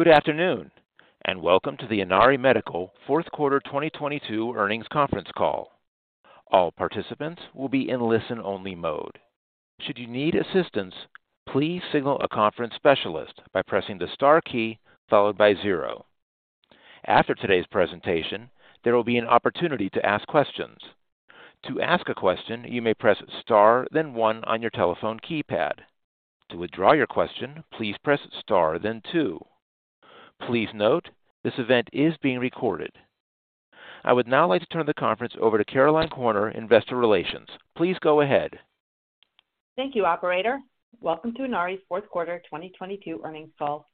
Good afternoon, welcome to the Inari Medical fourth quarter 2022 earnings conference call. All participants will be in listen-only mode. Should you need assistance, please signal a conference specialist by pressing the star key followed by zero. After today's presentation, there will be an opportunity to ask questions. To ask a question, you may press star then one on your telephone keypad. To withdraw your question, please press star then two. Please note, this event is being recorded. I would now like to turn the conference over to Caroline Corner, Investor Relations. Please go ahead. Thank you, operator. Welcome to Inari's fourth quarter 2022 earnings call.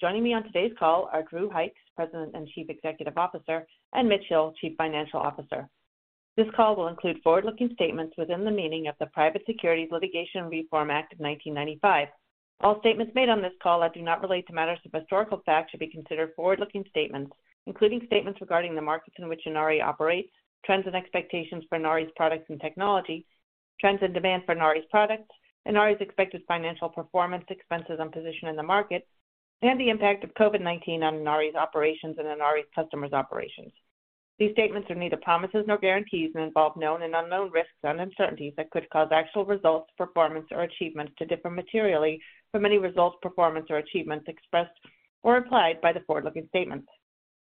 Joining me on today's call are Drew Hykes, President and Chief Executive Officer, and Mitch Hill, Chief Financial Officer. This call will include forward-looking statements within the meaning of the Private Securities Litigation Reform Act of 1995. All statements made on this call that do not relate to matters of historical fact should be considered forward-looking statements, including statements regarding the markets in which Inari operates, trends and expectations for Inari's products and technology, trends and demand for Inari's products, Inari's expected financial performance, expenses, and position in the market, and the impact of COVID-19 on Inari's operations and Inari's customers' operations. These statements are neither promises nor guarantees and involve known and unknown risks and uncertainties that could cause actual results, performance, or achievements to differ materially from any results, performance, or achievements expressed or implied by the forward-looking statements.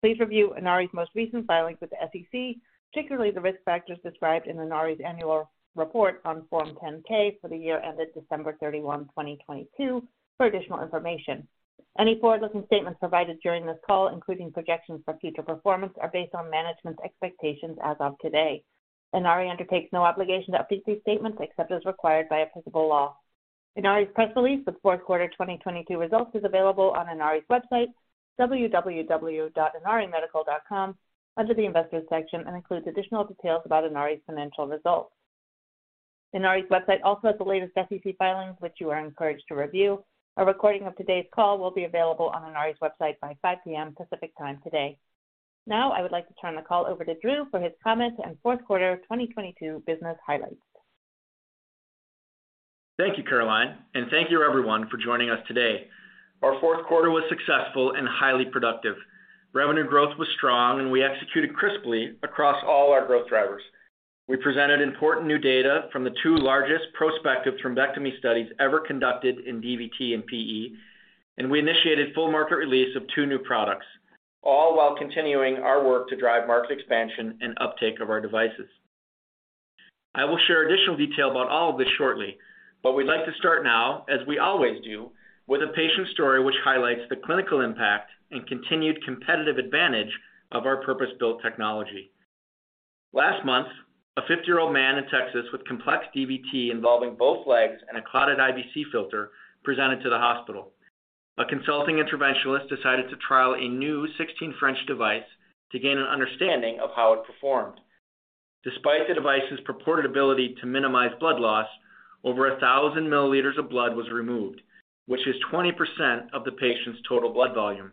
Please review Inari's most recent filings with the SEC, particularly the risk factors described in Inari's annual report on Form 10-K for the year ended December 31, 2022, for additional information. Any forward-looking statements provided during this call, including projections for future performance, are based on management's expectations as of today. Inari undertakes no obligation to update these statements except as required by applicable law. Inari's press release with fourth quarter 2022 results is available on Inari's website, www.inarimedical.com, under the Investors section and includes additional details about Inari's financial results. Inari's website also has the latest SEC filings, which you are encouraged to review. A recording of today's call will be available on Inari's website by 5:00 p.m. Pacific Time today. I would like to turn the call over to Drew for his comments and fourth quarter 2022 business highlights. Thank you, Caroline, thank you everyone for joining us today. Our fourth quarter was successful and highly productive. Revenue growth was strong, and we executed crisply across all our growth drivers. We presented important new data from the two largest prospective thrombectomy studies ever conducted in DVT and PE, and we initiated full market release of two new products, all while continuing our work to drive market expansion and uptake of our devices. I will share additional detail about all of this shortly, but we'd like to start now, as we always do, with a patient story which highlights the clinical impact and continued competitive advantage of our purpose-built technology. Last month, a 50-year-old man in Texas with complex DVT involving both legs and a clotted IVC filter presented to the hospital. A consulting interventionalist decided to trial a new 16 French device to gain an understanding of how it performed. Despite the device's purported ability to minimize blood loss, over 1,000 milliliters of blood was removed, which is 20% of the patient's total blood volume.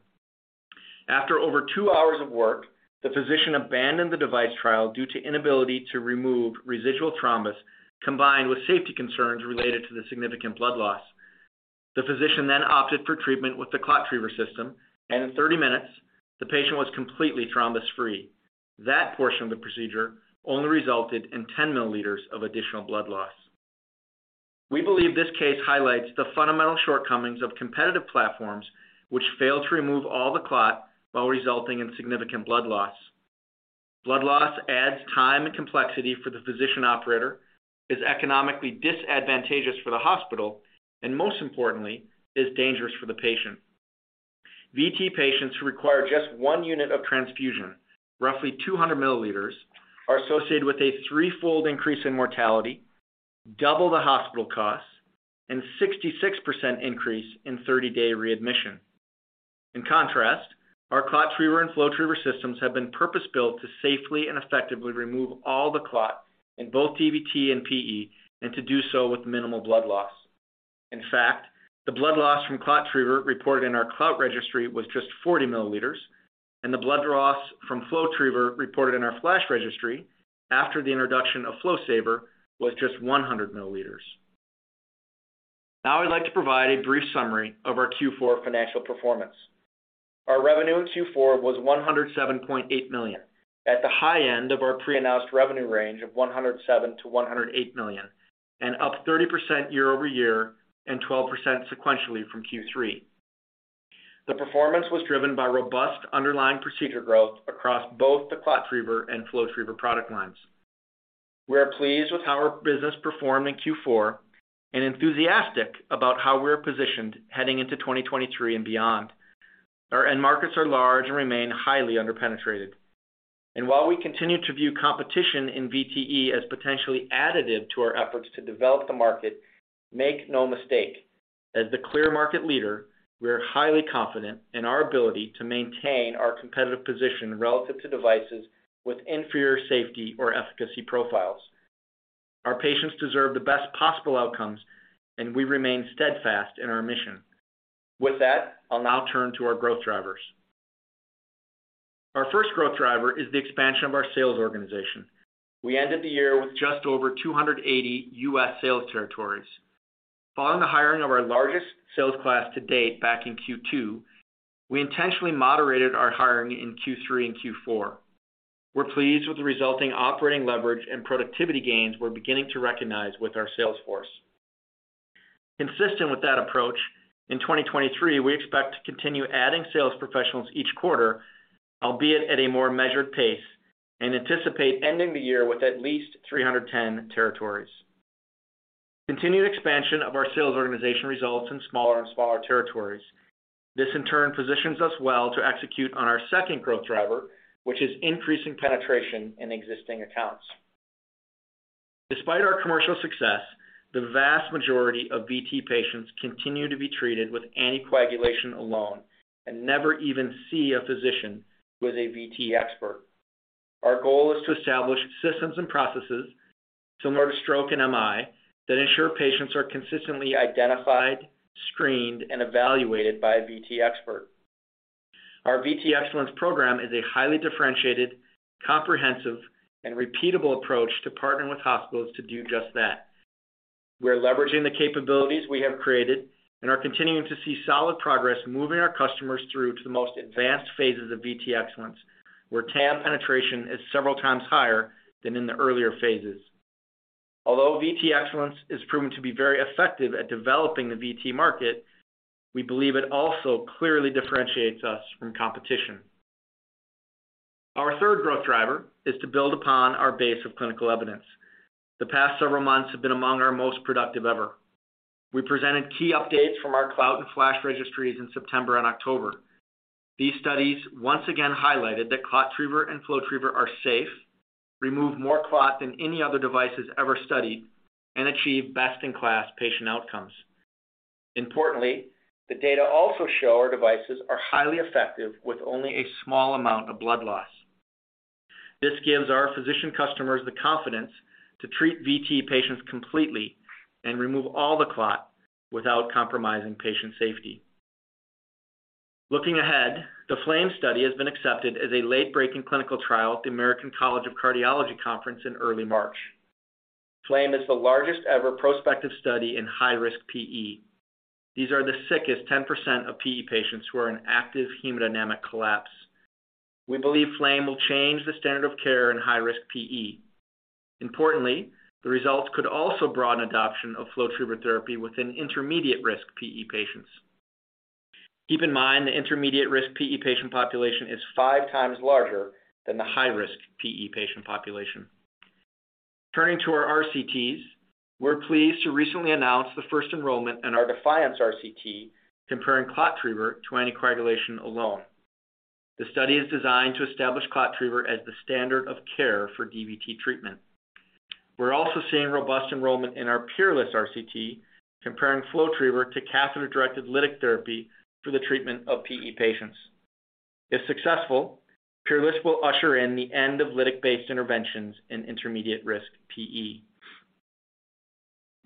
After over two hours of work, the physician abandoned the device trial due to inability to remove residual thrombus combined with safety concerns related to the significant blood loss. The physician then opted for treatment with the ClotTriever system, and in 30 minutes, the patient was completely thrombus-free. That portion of the procedure only resulted in 10 milliliters of additional blood loss. We believe this case highlights the fundamental shortcomings of competitive platforms which fail to remove all the clot while resulting in significant blood loss. Blood loss adds time and complexity for the physician operator, is economically disadvantageous for the hospital, and most importantly, is dangerous for the patient. VT patients who require just one unit of transfusion, roughly 200 milliliters, are associated with a threefold increase in mortality, double the hospital costs, and 66% increase in 30-day readmission. In contrast, our ClotTriever and FlowTriever systems have been purpose-built to safely and effectively remove all the clot in both DVT and PE and to do so with minimal blood loss. In fact, the blood loss from ClotTriever reported in our CLOUT registry was just 40 milliliters, and the blood loss from FlowTriever reported in our FLASH registry after the introduction of FlowSaver was just 100 milliliters. Now I'd like to provide a brief summary of our Q4 financial performance. Our revenue in Q4 was $107.8 million, at the high end of our pre-announced revenue range of $107 million-$108 million and up 30% year-over-year and 12% sequentially from Q3. The performance was driven by robust underlying procedure growth across both the ClotTriever and FlowTriever product lines. We are pleased with how our business performed in Q4 and enthusiastic about how we're positioned heading into 2023 and beyond. Our end markets are large and remain highly underpenetrated. While we continue to view competition in VTE as potentially additive to our efforts to develop the market, make no mistake, as the clear market leader, we are highly confident in our ability to maintain our competitive position relative to devices with inferior safety or efficacy profiles. Our patients deserve the best possible outcomes. We remain steadfast in our mission. With that, I'll now turn to our growth drivers. Our first growth driver is the expansion of our sales organization. We ended the year with just over 280 U.S. sales territories. Following the hiring of our largest sales class to date back in Q2, we intentionally moderated our hiring in Q3 and Q4. We're pleased with the resulting operating leverage and productivity gains we're beginning to recognize with our sales force. Consistent with that approach, in 2023 we expect to continue adding sales professionals each quarter, albeit at a more measured pace, and anticipate ending the year with at least 310 territories. Continued expansion of our sales organization results in smaller and smaller territories. This in turn positions us well to execute on our second growth driver, which is increasing penetration in existing accounts. Despite our commercial success, the vast majority of VT patients continue to be treated with anticoagulation alone and never even see a physician who is a VT expert. Our goal is to establish systems and processes similar to stroke and MI that ensure patients are consistently identified, screened, and evaluated by a VT expert. Our VT Excellence program is a highly differentiated, comprehensive, and repeatable approach to partnering with hospitals to do just that. We are leveraging the capabilities we have created and are continuing to see solid progress moving our customers through to the most advanced phases of VT Excellence, where TAM penetration is several times higher than in the earlier phases. Although VT Excellence is proven to be very effective at developing the VT market, we believe it also clearly differentiates us from competition. Our third growth driver is to build upon our base of clinical evidence. The past several months have been among our most productive ever. We presented key updates from our CLOUT and FLASH registries in September and October. These studies once again highlighted that ClotTriever and FlowTriever are safe, remove more CLOT than any other devices ever studied, and achieve best-in-class patient outcomes. Importantly, the data also show our devices are highly effective with only a small amount of blood loss. This gives our physician customers the confidence to treat VT patients completely and remove all the CLOT without compromising patient safety. Looking ahead, the FLAME study has been accepted as a late-breaking clinical trial at the American College of Cardiology conference in early March. FLAME is the largest ever prospective study in high-risk PE. These are the sickest 10% of PE patients who are in active hemodynamic collapse. We believe FLAME will change the standard of care in high-risk PE. Importantly, the results could also broaden adoption of FlowTriever therapy within intermediate-risk PE patients. Keep in mind, the intermediate-risk PE patient population is five times larger than the high-risk PE patient population. Turning to our RCTs, we're pleased to recently announce the first enrollment in our DEFIANCE RCT comparing ClotTriever to anticoagulation alone. The study is designed to establish ClotTriever as the standard of care for DVT treatment. We're also seeing robust enrollment in our PEERLESS RCT comparing FlowTriever to catheter-directed lytic therapy for the treatment of PE patients. If successful, PEERLESS will usher in the end of lytic-based interventions in intermediate-risk PE.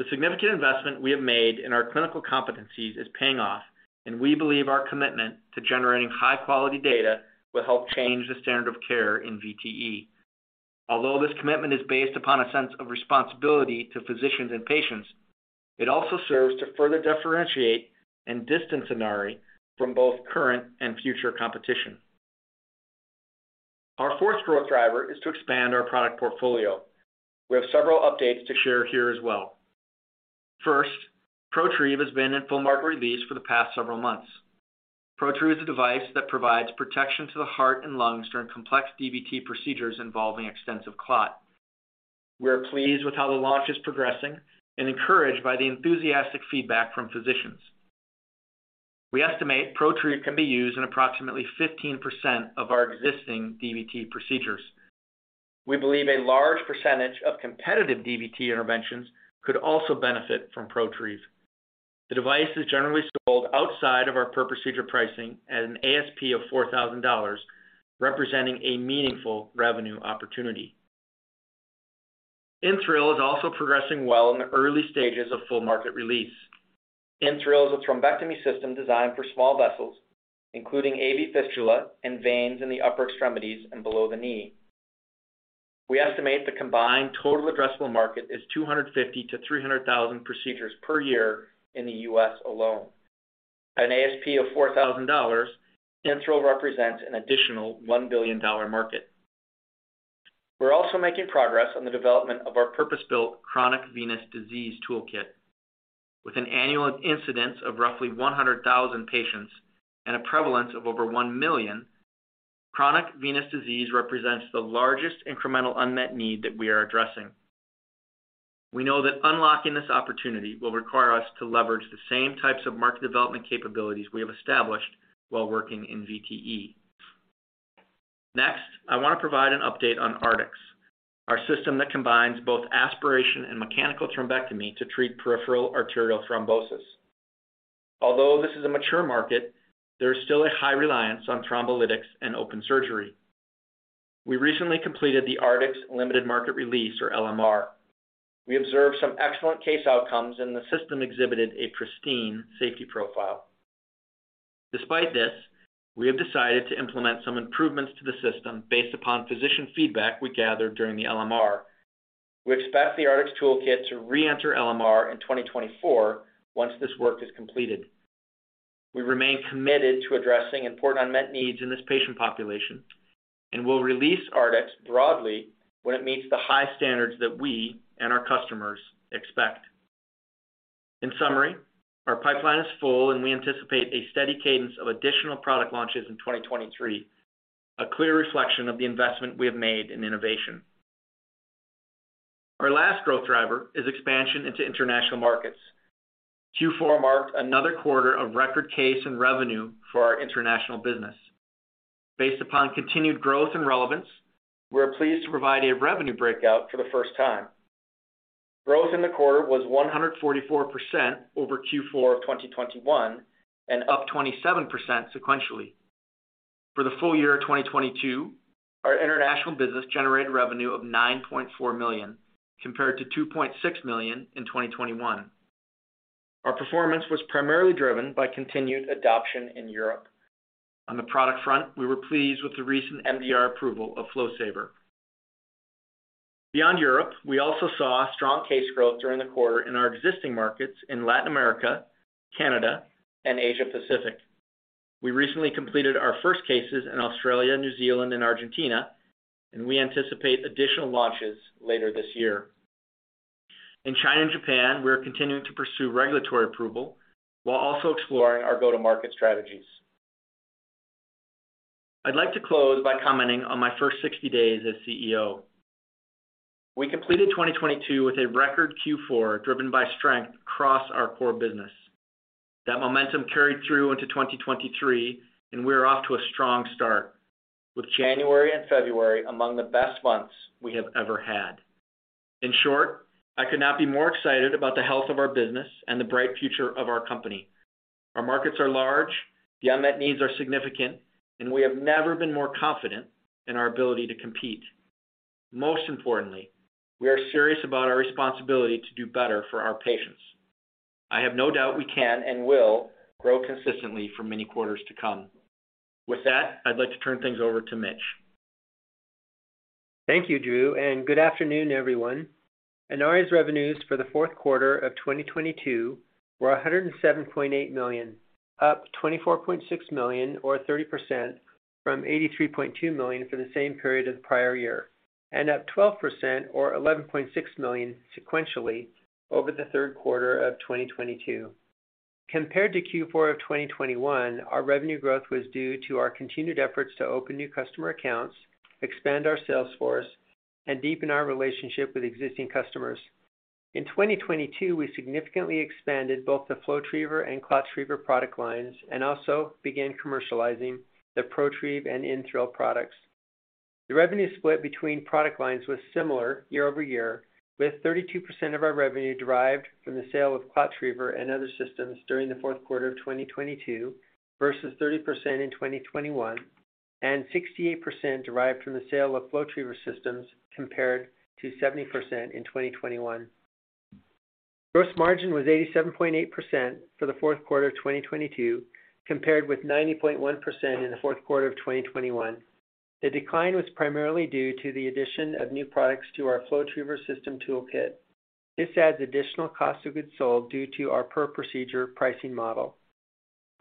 The significant investment we have made in our clinical competencies is paying off. We believe our commitment to generating high-quality data will help change the standard of care in VTE. This commitment is based upon a sense of responsibility to physicians and patients, it also serves to further differentiate and distance Inari from both current and future competition. Our fourth growth driver is to expand our product portfolio. We have several updates to share here as well. First, ProTrieve has been in full market release for the past several months. ProTrieve is a device that provides protection to the heart and lungs during complex DVT procedures involving extensive clot. We are pleased with how the launch is progressing and encouraged by the enthusiastic feedback from physicians. We estimate ProTrieve can be used in approximately 15% of our existing DVT procedures. We believe a large percentage of competitive DVT interventions could also benefit from ProTrieve. The device is generally sold outside of our per-procedure pricing at an ASP of $4,000, representing a meaningful revenue opportunity. InThrill is also progressing well in the early stages of full market release. InThrill is a thrombectomy system designed for small vessels, including AV fistula and veins in the upper extremities and below the knee. We estimate the combined total addressable market is 250,000-300,000 procedures per year in the U.S. alone. At an ASP of $4,000, InThrill represents an additional $1 billion market. We're also making progress on the development of our purpose-built chronic venous disease toolkit. With an annual incidence of roughly 100,000 patients and a prevalence of over 1 million, chronic venous disease represents the largest incremental unmet need that we are addressing. I want to provide an update on Artix, our system that combines both aspiration and mechanical thrombectomy to treat peripheral arterial thrombosis. This is a mature market, there is still a high reliance on thrombolytics and open surgery. We recently completed the Artix limited market release, or LMR. We observed some excellent case outcomes, the system exhibited a pristine safety profile. Despite this, we have decided to implement some improvements to the system based upon physician feedback we gathered during the LMR. We expect the Artix toolkit to re-enter LMR in 2024 once this work is completed. We remain committed to addressing important unmet needs in this patient population and will release Artix broadly when it meets the high standards that we and our customers expect. In summary, our pipeline is full, and we anticipate a steady cadence of additional product launches in 2023, a clear reflection of the investment we have made in innovation. Our last growth driver is expansion into international markets. Q4 marked another quarter of record case and revenue for our international business. Based upon continued growth and relevance, we are pleased to provide a revenue breakout for the first time. Growth in the quarter was 144% over Q4 of 2021 and up 27% sequentially. For the full year of 2022, our international business generated revenue of $9.4 million, compared to $2.6 million in 2021. Our performance was primarily driven by continued adoption in Europe. On the product front, we were pleased with the recent MDR approval of FlowSaver. Beyond Europe, we also saw strong case growth during the quarter in our existing markets in Latin America, Canada, and Asia Pacific. We recently completed our first cases in Australia, New Zealand, and Argentina, and we anticipate additional launches later this year. In China and Japan, we are continuing to pursue regulatory approval while also exploring our go-to-market strategies. I'd like to close by commenting on my first 60 days as CEO. We completed 2022 with a record Q4, driven by strength across our core business. That momentum carried through into 2023. We are off to a strong start, with January and February among the best months we have ever had. In short, I could not be more excited about the health of our business and the bright future of our company. Our markets are large, the unmet needs are significant. We have never been more confident in our ability to compete. Most importantly, we are serious about our responsibility to do better for our patients. I have no doubt we can and will grow consistently for many quarters to come. With that, I'd like to turn things over to Mitch. Thank you, Drew, good afternoon, everyone. Inari's revenues for the fourth quarter of 2022 were $107.8 million, up $24.6 million or 30% from $83.2 million for the same period of the prior year and up 12% or $11.6 million sequentially over the third quarter of 2022. Compared to Q4 of 2021, our revenue growth was due to our continued efforts to open new customer accounts, expand our sales force, and deepen our relationship with existing customers. In 2022, we significantly expanded both the FlowTriever and ClotTriever product lines and also began commercializing the ProTrieve and InThrill products. The revenue split between product lines was similar year-over-year, with 32% of our revenue derived from the sale of ClotTriever and other systems during the fourth quarter of 2022 versus 30% in 2021 and 68% derived from the sale of FlowTriever systems, compared to 70% in 2021. Gross margin was 87.8% for the fourth quarter of 2022, compared with 90.1% in the fourth quarter of 2021. The decline was primarily due to the addition of new products to our FlowTriever system toolkit. This adds additional cost of goods sold due to our per procedure pricing model.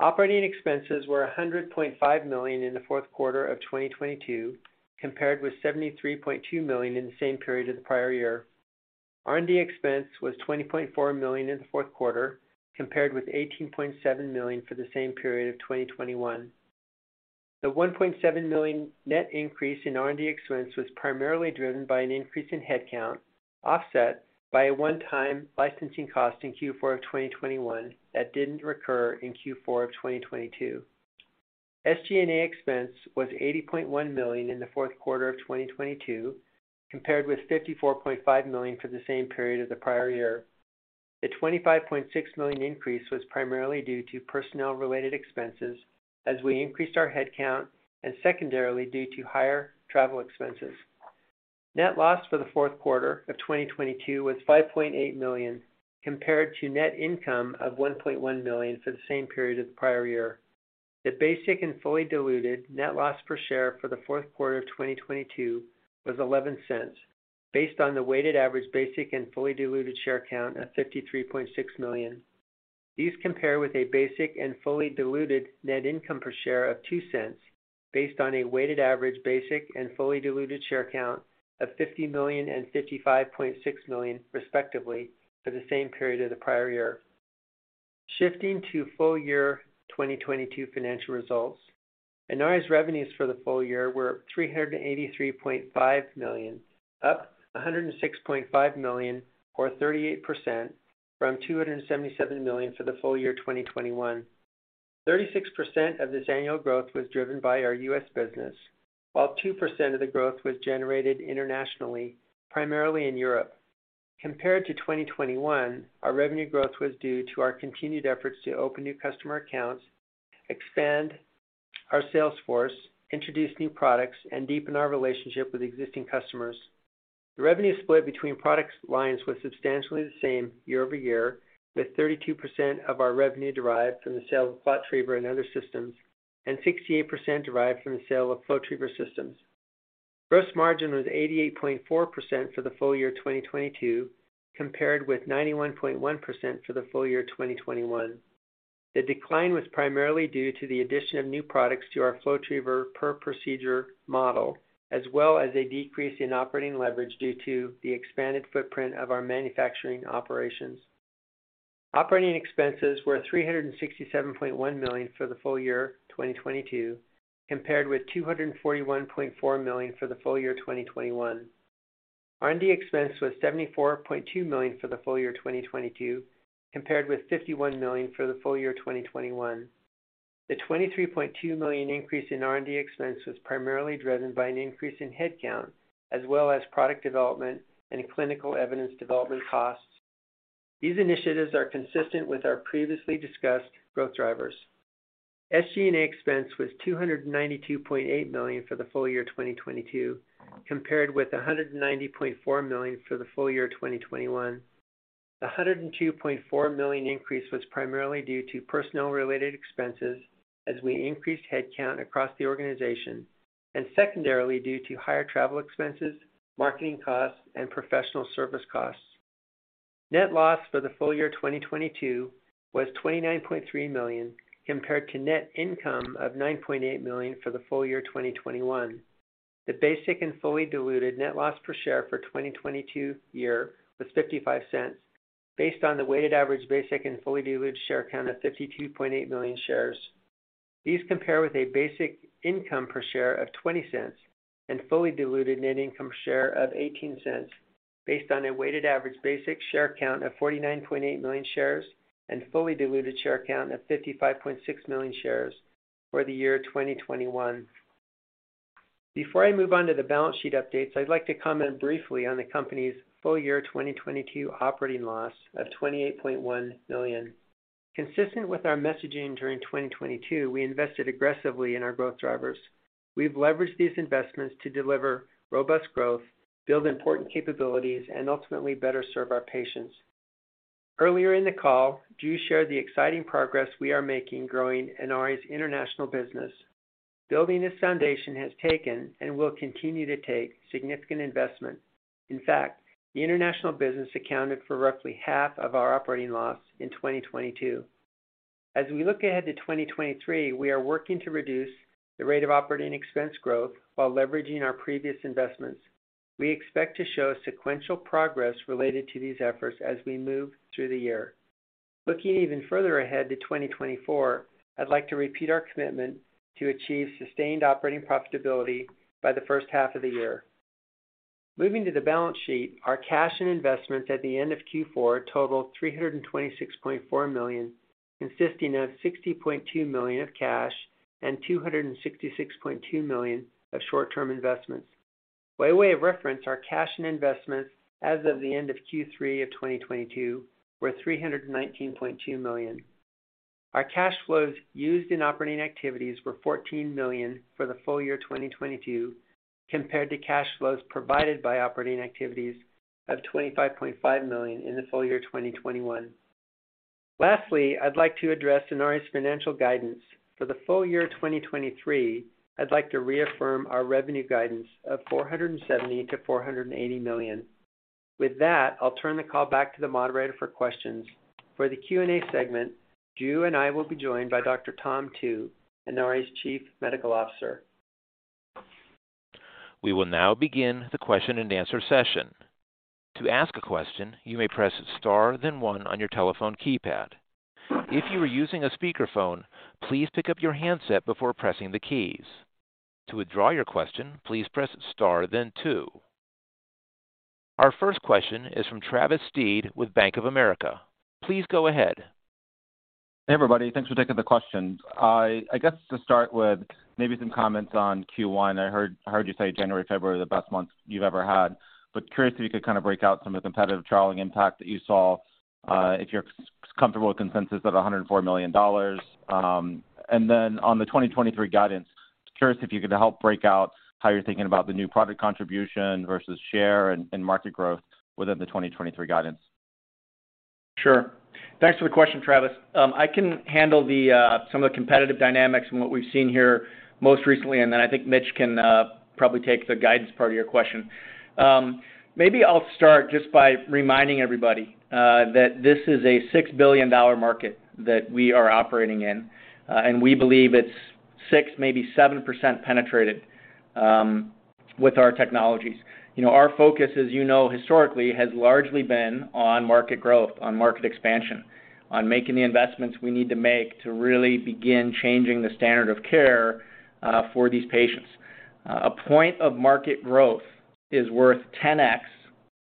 Operating expenses were $100.5 million in the fourth quarter of 2022, compared with $73.2 million in the same period of the prior year. R&D expense was $20.4 million in the fourth quarter, compared with $18.7 million for the same period of 2021. The $1.7 million net increase in R&D expense was primarily driven by an increase in headcount, offset by a one-time licensing cost in Q4 of 2021 that didn't recur in Q4 of 2022. SG&A expense was $80.1 million in the fourth quarter of 2022, compared with $54.5 million for the same period of the prior year. The $25.6 million increase was primarily due to personnel related expenses as we increased our headcount and secondarily due to higher travel expenses. Net loss for the fourth quarter of 2022 was $5.8 million, compared to net income of $1.1 million for the same period of the prior year. The basic and fully diluted net loss per share for the fourth quarter of 2022 was $0.11 based on the weighted average basic and fully diluted share count of $53.6 million. These compare with a basic and fully diluted net income per share of $0.02 based on a weighted average basic and fully diluted share count of $50 million and $55.6 million, respectively, for the same period of the prior year. Shifting to full year 2022 financial results, Inari's revenues for the full year were $383.5 million, up $106.5 million or 38% from $277 million for the full year 2021. 36% of this annual growth was driven by our U.S. business, while 2% of the growth was generated internationally, primarily in Europe. Compared to 2021, our revenue growth was due to our continued efforts to open new customer accounts, expand our sales force, introduce new products, and deepen our relationship with existing customers. The revenue split between product lines was substantially the same year-over-year, with 32% of our revenue derived from the sale of FlowTriever and other systems, and 68% derived from the sale of FlowTriever systems. Gross margin was 88.4% for the full year 2022, compared with 91.1% for the full year 2021. The decline was primarily due to the addition of new products to our FlowTriever per procedure model, as well as a decrease in operating leverage due to the expanded footprint of our manufacturing operations. Operating expenses were $367.1 million for the full year 2022, compared with $241.4 million for the full year 2021. R&D expense was $74.2 million for the full year 2022, compared with $51 million for the full year 2021. The $23.2 million increase in R&D expense was primarily driven by an increase in headcount, as well as product development and clinical evidence development costs. These initiatives are consistent with our previously discussed growth drivers. SG&A expense was $292.8 million for the full year 2022, compared with $190.4 million for the full year 2021. A $102.4 million increase was primarily due to personnel-related expenses as we increased headcount across the organization, and secondarily due to higher travel expenses, marketing costs, and professional service costs. Net loss for the full year 2022 was $29.3 million, compared to net income of $9.8 million for the full year 2021. The basic and fully diluted net loss per share for 2022 was $0.55 based on the weighted average basic and fully diluted share count of 52.8 million shares. These compare with a basic income per share of $0.20 and fully diluted net income share of $0.18 based on a weighted average basic share count of 49.8 million shares and fully diluted share count of 55.6 million shares for the year 2021. Before I move on to the balance sheet updates, I'd like to comment briefly on the company's full year 2022 operating loss of $28.1 million. Consistent with our messaging during 2022, we invested aggressively in our growth drivers. We've leveraged these investments to deliver robust growth, build important capabilities, and ultimately better serve our patients. Earlier in the call, Drew shared the exciting progress we are making growing Inari's international business. Building this foundation has taken and will continue to take significant investment. In fact, the international business accounted for roughly half of our operating loss in 2022. As we look ahead to 2023, we are working to reduce the rate of operating expense growth while leveraging our previous investments. We expect to show sequential progress related to these efforts as we move through the year. Looking even further ahead to 2024, I'd like to repeat our commitment to achieve sustained operating profitability by the first half of the year. Moving to the balance sheet, our cash and investments at the end of Q4 totaled $326.4 million, consisting of $60.2 million of cash and $266.2 million of short-term investments. By way of reference, our cash and investments as of the end of Q3 of 2022 were $319.2 million. Our cash flows used in operating activities were $14 million for the full year 2022, compared to cash flows provided by operating activities of $25.5 million in the full year 2021. Lastly, I'd like to address Inari's financial guidance. For the full year 2023, I'd like to reaffirm our revenue guidance of $470 million-$480 million. With that, I'll turn the call back to the moderator for questions. For the Q&A segment, Drew and I will be joined by Dr. Thomas Tu, Inari's Chief Medical Officer. We will now begin the question and answer session. To ask a question, you may press star then one on your telephone keypad. If you are using a speakerphone, please pick up your handset before pressing the keys. To withdraw your question, please press star then two. Our first question is from Travis Steed with Bank of America. Please go ahead. Hey, everybody. Thanks for taking the questions. I guess to start with maybe some comments on Q1. I heard you say January, February are the best months you've ever had. Curious if you could kind of break out some of the competitive trialing impact that you saw, if you're comfortable with consensus of $104 million? Then on the 2023 guidance, just curious if you could help break out how you're thinking about the new product contribution versus share and market growth within the 2023 guidance? Sure. Thanks for the question, Travis. I can handle the some of the competitive dynamics and what we've seen here most recently, and then I think Mitch can probably take the guidance part of your question. Maybe I'll start just by reminding everybody that this is a $6 billion market that we are operating in. And we believe it's 6%, maybe 7% penetrated with our technologies. You know, our focus, as you know, historically, has largely been on market growth, on market expansion, on making the investments we need to make to really begin changing the standard of care for these patients. A point of market growth is worth 10x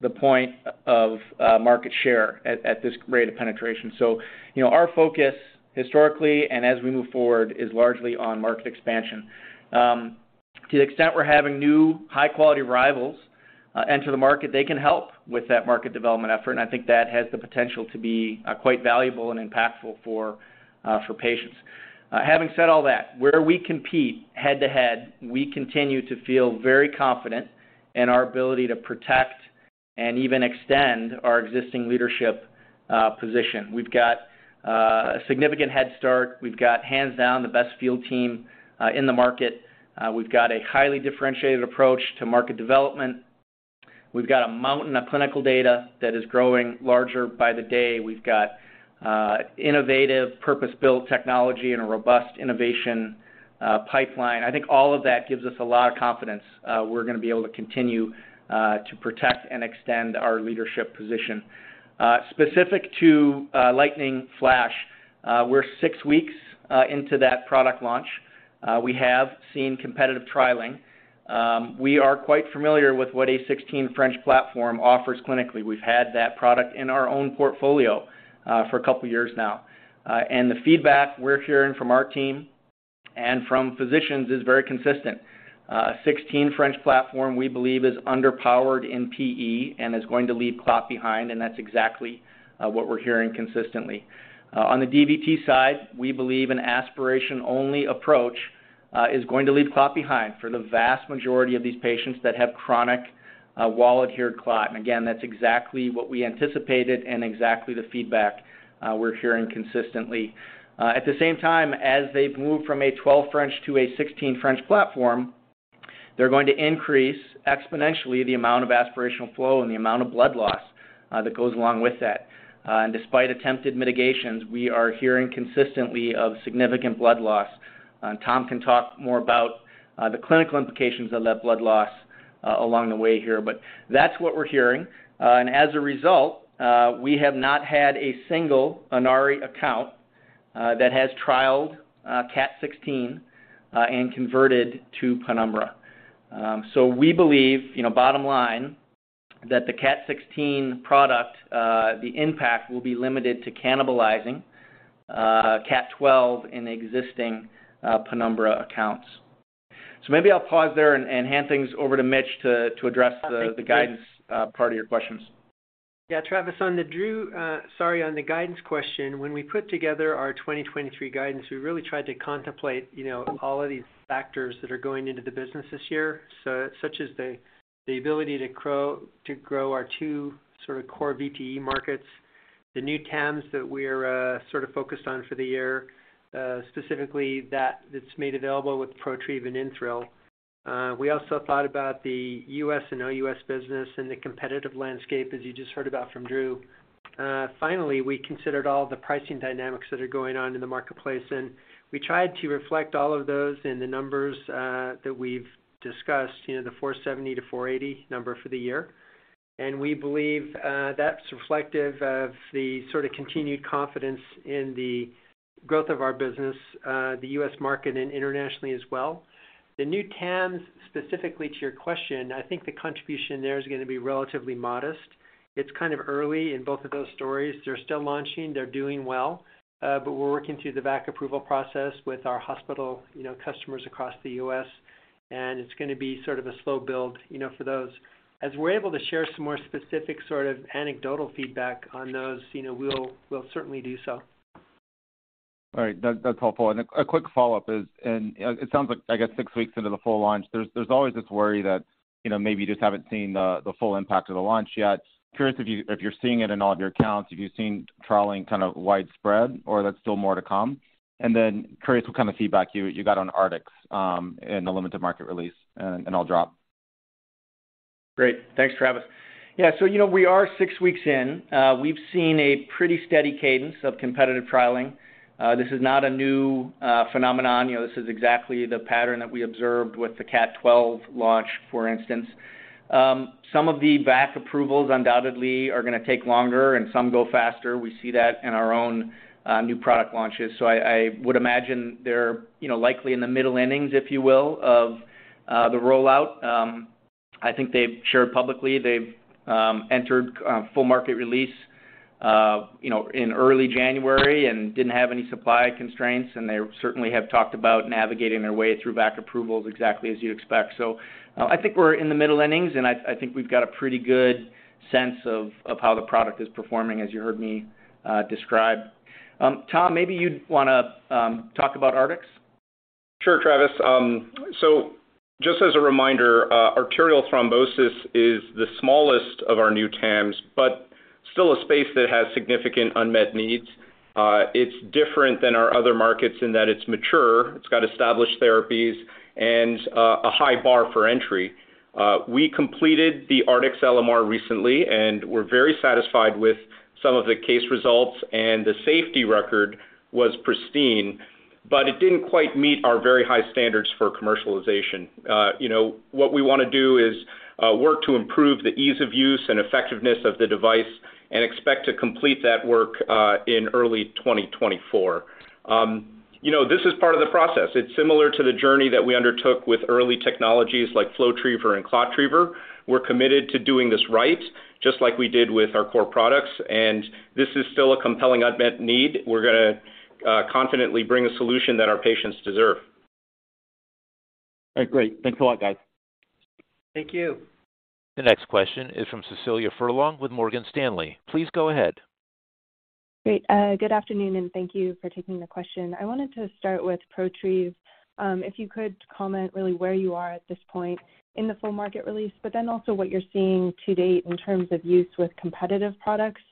the point of market share at this rate of penetration. You know, our focus historically and as we move forward, is largely on market expansion. Um- To the extent we're having new high-quality rivals enter the market, they can help with that market development effort, and I think that has the potential to be quite valuable and impactful for patients. Having said all that, where we compete head-to-head, we continue to feel very confident in our ability to protect and even extend our existing leadership position. We've got a significant head start. We've got hands down the best field team in the market. We've got a highly differentiated approach to market development. We've got a mountain of clinical data that is growing larger by the day. We've got innovative purpose-built technology and a robust innovation pipeline. I think all of that gives us a lot of confidence, we're gonna be able to continue to protect and extend our leadership position. Specific to Lightning Flow, we're six weeks into that product launch. We have seen competitive trialing. We are quite familiar with what a 16 French platform offers clinically. We've had that product in our own portfolio for a couple of years now. The feedback we're hearing from our team and from physicians is very consistent. A 16 French platform, we believe, is underpowered in PE and is going to leave clot behind, and that's exactly what we're hearing consistently. On the DVT side, we believe an aspiration-only approach is going to leave clot behind for the vast majority of these patients that have chronic, wall-adhered clot. Again, that's exactly what we anticipated and exactly the feedback we're hearing consistently. At the same time, as they move from a 12 French to a 16 French platform, they're going to increase exponentially the amount of aspirational flow and the amount of blood loss that goes along with that. Despite attempted mitigations, we are hearing consistently of significant blood loss. Tom can talk more about the clinical implications of that blood loss along the way here. That's what we're hearing. As a result, we have not had a single Inari account that has trialed CAT16 and converted to Penumbra. We believe, you know, bottom line, that the CAT16 product, the impact will be limited to cannibalizing CAT12 in existing Penumbra accounts. maybe I'll pause there and hand things over to Mitch to address the guidance part of your questions. Yeah, Travis, on the guidance question, when we put together our 2023 guidance, we really tried to contemplate, you know, all of these factors that are going into the business this year, such as the ability to grow our two sort of core VTE markets, the new TAMs that we're sort of focused on for the year, specifically that's made available with ProTrieve and InThrill. We also thought about the U.S. and OUS business and the competitive landscape, as you just heard about from Drew. Finally, we considered all the pricing dynamics that are going on in the marketplace, and we tried to reflect all of those in the numbers that we've discussed, you know, the $470 million-$480 million number for the year. We believe that's reflective of the sort of continued confidence in the growth of our business, the U.S. market and internationally as well. The new TAMS, specifically to your question, I think the contribution there is gonna be relatively modest. It's kind of early in both of those stories. They're still launching, they're doing well, but we're working through the VAC approval process with our hospital, you know, customers across the U.S., and it's gonna be sort of a slow build, you know, for those. As we're able to share some more specific sort of anecdotal feedback on those, you know, we'll certainly do so. All right, that's helpful. A quick follow-up is... It sounds like, I guess, six weeks into the full launch, there's always this worry that, you know, maybe you just haven't seen the full impact of the launch yet. Curious if you're seeing it in all of your accounts, if you've seen trialing kind of widespread or that's still more to come. Curious what kind of feedback you got on Artix in the limited market release. I'll drop. Great. Thanks, Travis. Yeah, so you know we are six weeks in. We've seen a pretty steady cadence of competitive trialing. This is not a new phenomenon. You know, this is exactly the pattern that we observed with the CAT12 launch, for instance. Some of the VAC approvals undoubtedly are gonna take longer and some go faster. We see that in our own new product launches. I would imagine they're, you know, likely in the middle innings, if you will, of the rollout. I think they've shared publicly, they've entered full market release, you know, in early January and didn't have any supply constraints, and they certainly have talked about navigating their way through VAC approvals exactly as you expect. I think we're in the middle innings, and I think we've got a pretty good sense of how the product is performing, as you heard me describe. Tom, maybe you'd wanna talk about Artix. Sure, Travis. just as a reminder, arterial thrombosis is the smallest of our new TAMs, but still a space that has significant unmet needs. It's different than our other markets in that it's mature, it's got established therapies and a high bar for entry. We completed the Artix LMR recently, and we're very satisfied with some of the case results, and the safety record was pristine, but it didn't quite meet our very high standards for commercialization. You know, what we wanna do is work to improve the ease of use and effectiveness of the device and expect to complete that work in early 2024. You know, this is part of the process. It's similar to the journey that we undertook with early technologies like FlowTriever and ClotTriever. We're committed to doing this right, just like we did with our core products, and this is still a compelling unmet need. We're gonna confidently bring a solution that our patients deserve. All right, great. Thanks a lot, guys. Thank you. The next question is from Cecilia Furlong with Morgan Stanley. Please go ahead. Great. Good afternoon, and thank you for taking the question. I wanted to start with ProTrieve. If you could comment really where you are at this point in the full market release, but then also what you're seeing to date in terms of use with competitive products.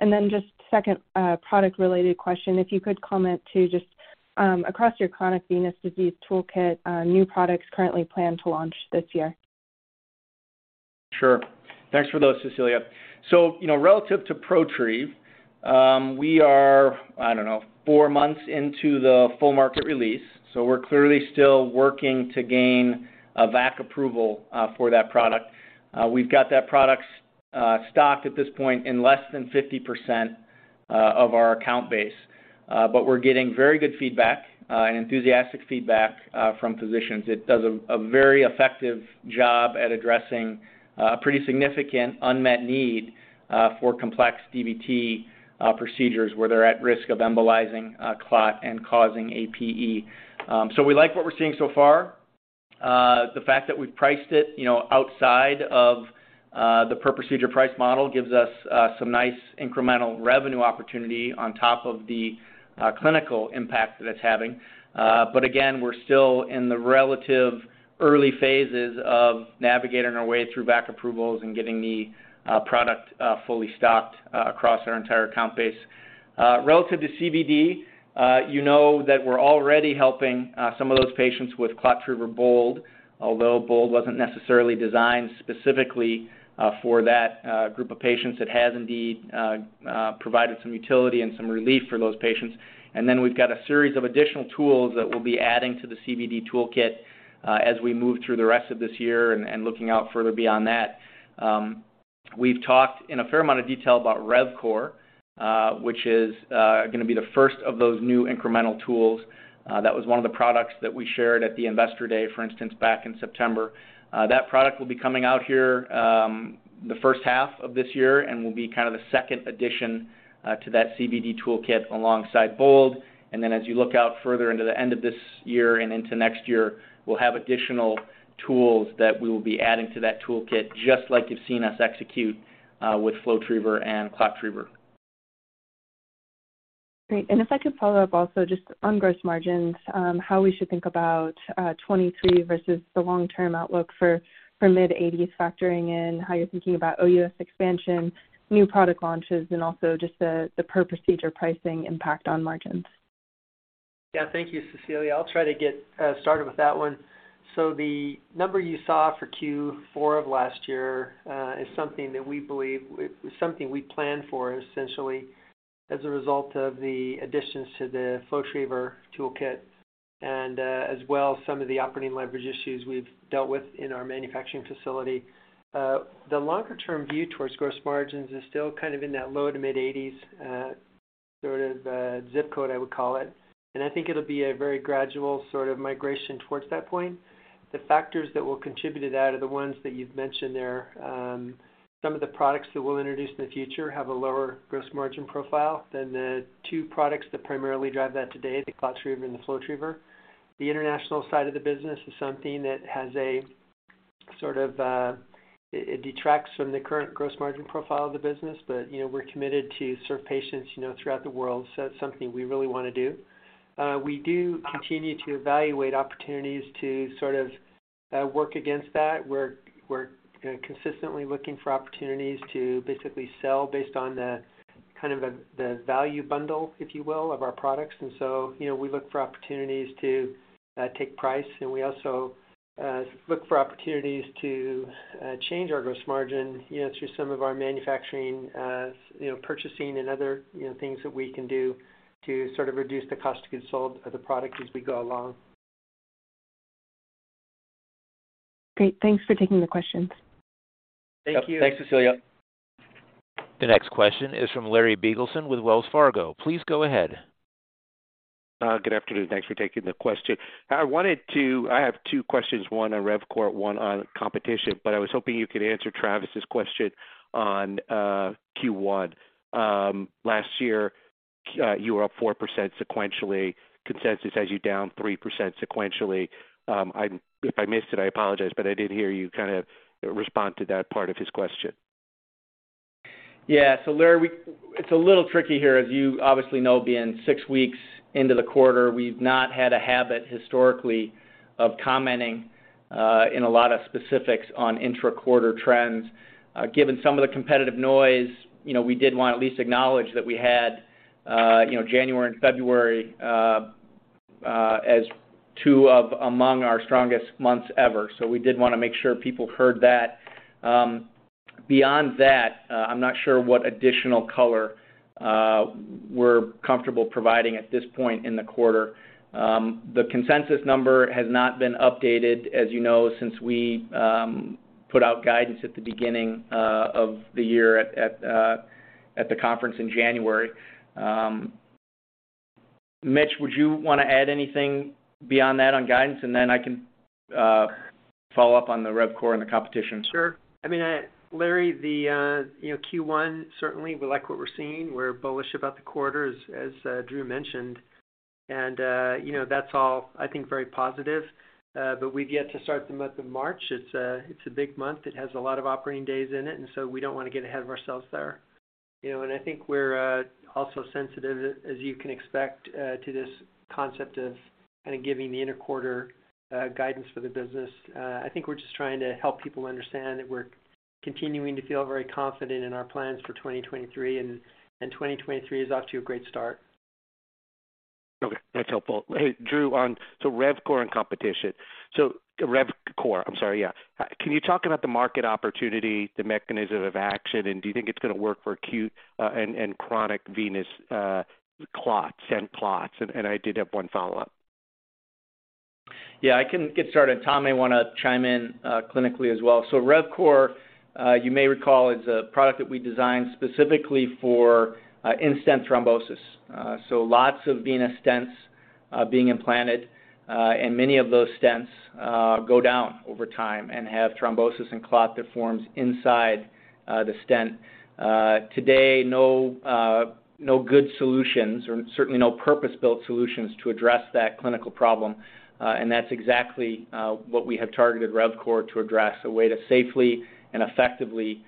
Then just second, product related question, if you could comment too, just across your chronic venous disease toolkit, new products currently planned to launch this year. Thanks for those, Cecilia. You know, relative to ProTrieve, we are, I don't know, four months into the full market release, we're clearly still working to gain VAC approval for that product. We've got that product stocked at this point in less than 50% of our account base. We're getting very good feedback and enthusiastic feedback from physicians. It does a very effective job at addressing pretty significant unmet need for complex DVT procedures where they're at risk of embolizing a clot and causing PE. We like what we're seeing so far. The fact that we've priced it, you know, outside of the per procedure price model gives us some nice incremental revenue opportunity on top of the clinical impact that it's having. Again, we're still in the relative early phases of navigating our way through VAC approvals and getting the product fully stocked across our entire account base. Relative to CVD, you know that we're already helping some of those patients with ClotTriever BOLD. Although BOLD wasn't necessarily designed specifically for that group of patients, it has indeed provided some utility and some relief for those patients. Then we've got a series of additional tools that we'll be adding to the CVD toolkit as we move through the rest of this year and looking out further beyond that. We've talked in a fair amount of detail about RevCore, which is gonna be the first of those new incremental tools. That was one of the products that we shared at the Investor Day, for instance, back in September. That product will be coming out here, the first half of this year and will be kind of the second addition to that CVD toolkit alongside BOLD. As you look out further into the end of this year and into next year, we'll have additional tools that we will be adding to that toolkit, just like you've seen us execute with FlowTriever and ClotTriever. Great. If I could follow up also just on gross margins, how we should think about 23 versus the long-term outlook for mid-80s factoring in how you're thinking about OUS expansion, new product launches, and also just the per procedure pricing impact on margins? Yeah. Thank you, Cecilia. I'll try to get started with that one. The number you saw for Q4 of last year is something we planned for essentially as a result of the additions to the FlowTriever toolkit and as well as some of the operating leverage issues we've dealt with in our manufacturing facility. The longer-term view towards gross margins is still kind of in that low to mid-80s% sort of ZIP code, I would call it. I think it'll be a very gradual sort of migration towards that point. The factors that will contribute to that are the ones that you've mentioned there. Some of the products that we'll introduce in the future have a lower gross margin profile than the two products that primarily drive that today, the ClotTriever and the FlowTriever. The international side of the business is something that has a sort of a. It detracts from the current gross margin profile of the business. You know, we're committed to serve patients, you know, throughout the world. That's something we really wanna do. We do continue to evaluate opportunities to sort of work against that. We're consistently looking for opportunities to basically sell based on the kind of the value bundle, if you will, of our products. You know, we look for opportunities to take price. We also look for opportunities to change our gross margin, you know, through some of our manufacturing, purchasing and other, you know, things that we can do to sort of reduce the cost to consult of the product as we go along. Great. Thanks for taking the questions. Thank you. Yep. Thanks, Cecilia. The next question is from Larry Biegelsen with Wells Fargo. Please go ahead. Good afternoon. Thanks for taking the question. I have two questions, one on RevCore, one on competition, but I was hoping you could answer Travis's question on Q1. Last year, you were up 4% sequentially. Consensus has you down 3% sequentially. If I missed it, I apologize, but I did hear you kind of respond to that part of his question. Yeah. Larry, it's a little tricky here. As you obviously know, being six weeks into the quarter, we've not had a habit historically of commenting, in a lot of specifics on intra-quarter trends. Given some of the competitive noise, you know, we did want to at least acknowledge that we had, you know, January and February, as two of among our strongest months ever. We did wanna make sure people heard that. Beyond that, I'm not sure what additional color, we're comfortable providing at this point in the quarter. The consensus number has not been updated, as you know, since we, put out guidance at the beginning, of the year at, at the conference in January. Mitch, would you want to add anything beyond that on guidance? Then I can, Follow up on the RevCore and the competition. Sure. I mean, Larry, you know, Q1, certainly we like what we're seeing. We're bullish about the quarter, as Drew mentioned. You know, that's all, I think, very positive. We've yet to start the month of March. It's a big month. It has a lot of operating days in it, we don't wanna get ahead of ourselves there. You know, I think we're also sensitive, as you can expect, to this concept of kinda giving the inter-quarter guidance for the business. I think we're just trying to help people understand that we're continuing to feel very confident in our plans for 2023, and 2023 is off to a great start. Okay, that's helpful. Hey, Drew, on RevCore and competition. RevCore, I'm sorry, yeah. Can you talk about the market opportunity, the mechanism of action, and do you think it's gonna work for acute, and chronic venous clots, stent clots? I did have one follow-up. Yeah, I can get started. Tom may wanna chime in clinically as well. RevCore, you may recall, is a product that we designed specifically for in-stent thrombosis. Lots of venous stents being implanted, and many of those stents go down over time and have thrombosis and clot that forms inside the stent. Today, no good solutions or certainly no purpose-built solutions to address that clinical problem, and that's exactly what we have targeted RevCore to address, a way to safely and effectively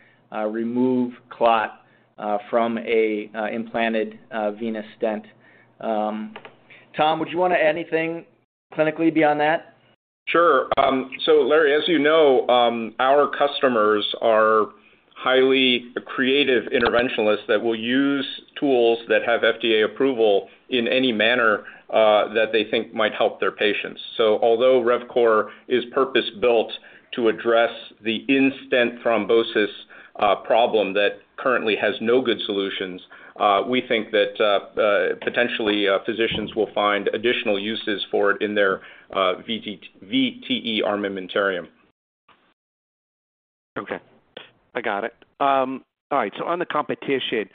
remove clot from a implanted venous stent. Tom, would you wanna add anything clinically beyond that? Sure. So Larry, as you know, our customers are highly creative interventionalists that will use tools that have FDA approval in any manner that they think might help their patients. Although RevCore is purpose-built to address the in-stent thrombosis problem that currently has no good solutions, we think that potentially physicians will find additional uses for it in their VT-VTE armamentarium. Okay. I got it. All right, on the competition.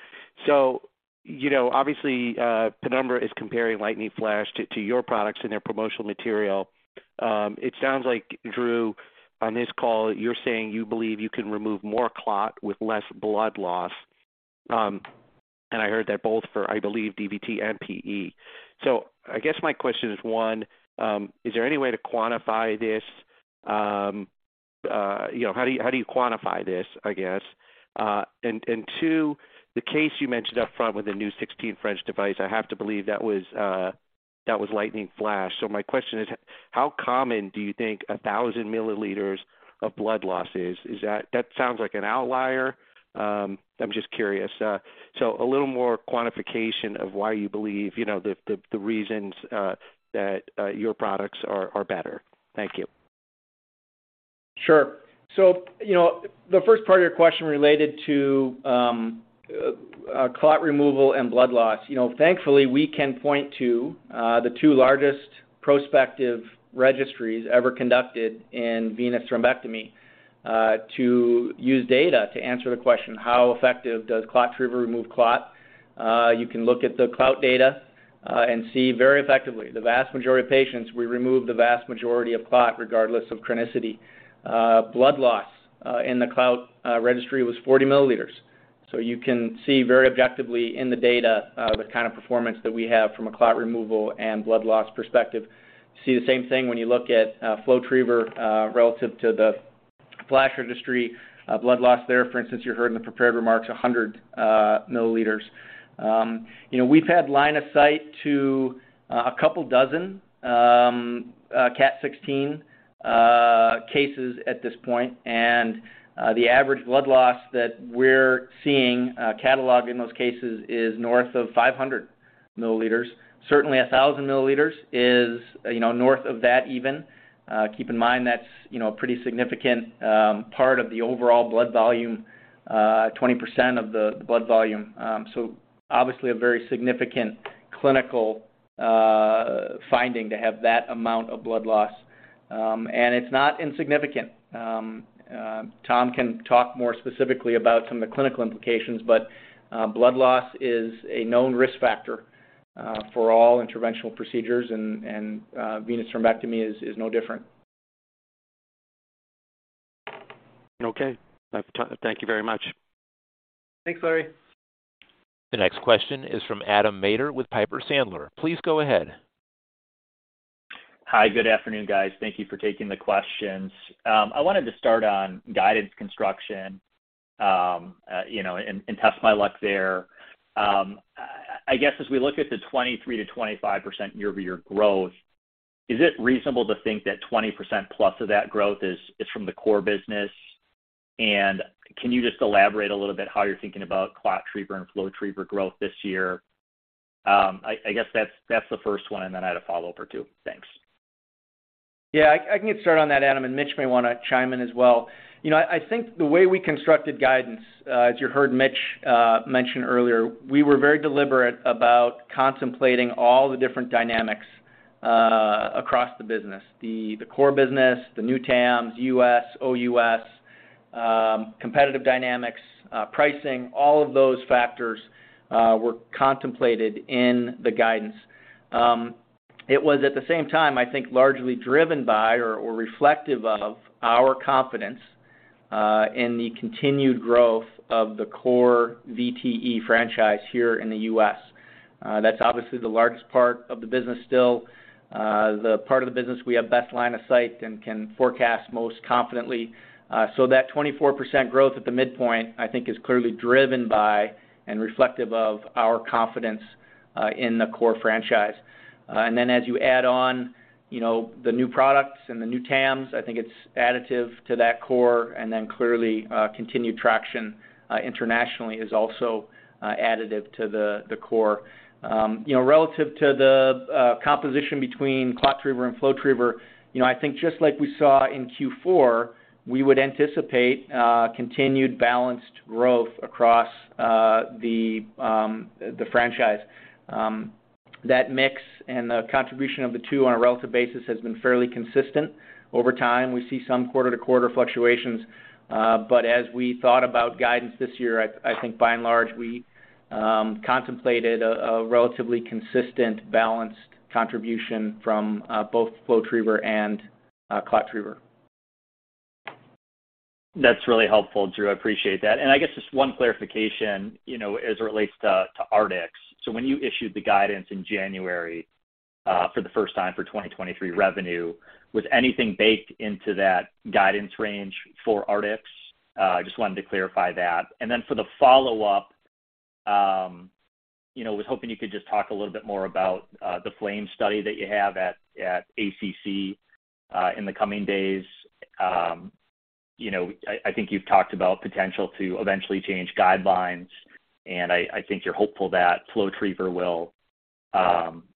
You know, obviously, Penumbra is comparing Lightning Flow to your products in their promotional material. It sounds like, Drew, on this call, you're saying you believe you can remove more clot with less blood loss. I heard that both for, I believe, DVT and PE. I guess my question is, one, is there any way to quantify this? You know, how do you quantify this, I guess? Two, the case you mentioned up front with the new 16 French device, I have to believe that was Lightning Flow. My question is, how common do you think a 1,000 milliliters of blood loss is? That sounds like an outlier. I'm just curious. A little more quantification of why you believe, you know, the reasons that your products are better. Thank you. Sure. You know, the first part of your question related to clot removal and blood loss. You know, thankfully, we can point to the two largest prospective registries ever conducted in venous thrombectomy to use data to answer the question: How effective does ClotTriever remove clot? You can look at the CLOUT data and see very effectively the vast majority of patients, we remove the vast majority of clot regardless of chronicity. Blood loss in the CLOUT registry was 40 milliliters. You can see very objectively in the data the kind of performance that we have from a clot removal and blood loss perspective. See the same thing when you look at FlowTriever relative to the FLASH registry. Blood loss there, for instance, you heard in the prepared remarks, 100 milliliters. You know, we've had line of sight to a couple dozen CAT16 cases at this point. The average blood loss that we're seeing cataloged in those cases is north of 500 milliliters. Certainly, 1,000 milliliters is, you know, north of that even. Keep in mind that's, you know, a pretty significant part of the overall blood volume, 20% of the blood volume. Obviously a very significant clinical finding to have that amount of blood loss. It's not insignificant. Tom can talk more specifically about some of the clinical implications, but blood loss is a known risk factor for all interventional procedures and venous thrombectomy is no different. Okay. Thank you very much. Thanks, Larry. The next question is from Adam Maeder with Piper Sandler. Please go ahead. Hi. Good afternoon, guys. Thank you for taking the questions. I wanted to start on guidance construction, you know, and test my luck there. I guess as we look at the 23%-25% year-over-year growth, is it reasonable to think that 20%+ of that growth is from the core business? Can you just elaborate a little bit how you're thinking about ClotTriever and FlowTriever growth this year? I guess that's the first one, and then I had a follow-up or two. Thanks. Yeah, I can get started on that, Adam, and Mitch may wanna chime in as well. You know, I think the way we constructed guidance, as you heard Mitch mention earlier, we were very deliberate about contemplating all the different dynamics across the business. The core business, the new TAMs, US, OUS, competitive dynamics, pricing, all of those factors were contemplated in the guidance. It was, at the same time, I think, largely driven by or reflective of our confidence in the continued growth of the core VTE franchise here in the US. That's obviously the largest part of the business still. The part of the business we have best line of sight and can forecast most confidently. That 24% growth at the midpoint, I think, is clearly driven by and reflective of our confidence in the core franchise. As you add on, you know, the new products and the new TAMs, I think it's additive to that core, clearly, continued traction internationally is also additive to the core. You know, relative to the composition between ClotTriever and FlowTriever, you know, I think just like we saw in Q4, we would anticipate continued balanced growth across the franchise. That mix and the contribution of the two on a relative basis has been fairly consistent over time. We see some quarter-to-quarter fluctuations. As we thought about guidance this year, I think by and large, we contemplated a relatively consistent balanced contribution from both FlowTriever and ClotTriever. That's really helpful, Drew. I appreciate that. I guess just one clarification, you know, as it relates to Artix. When you issued the guidance in January for the first time for 2023 revenue, was anything baked into that guidance range for Artix? I just wanted to clarify that. Then for the follow-up, you know, was hoping you could just talk a little bit more about the FLAME study that you have at ACC in the coming days. You know, I think you've talked about potential to eventually change guidelines, and I think you're hopeful that FlowTriever will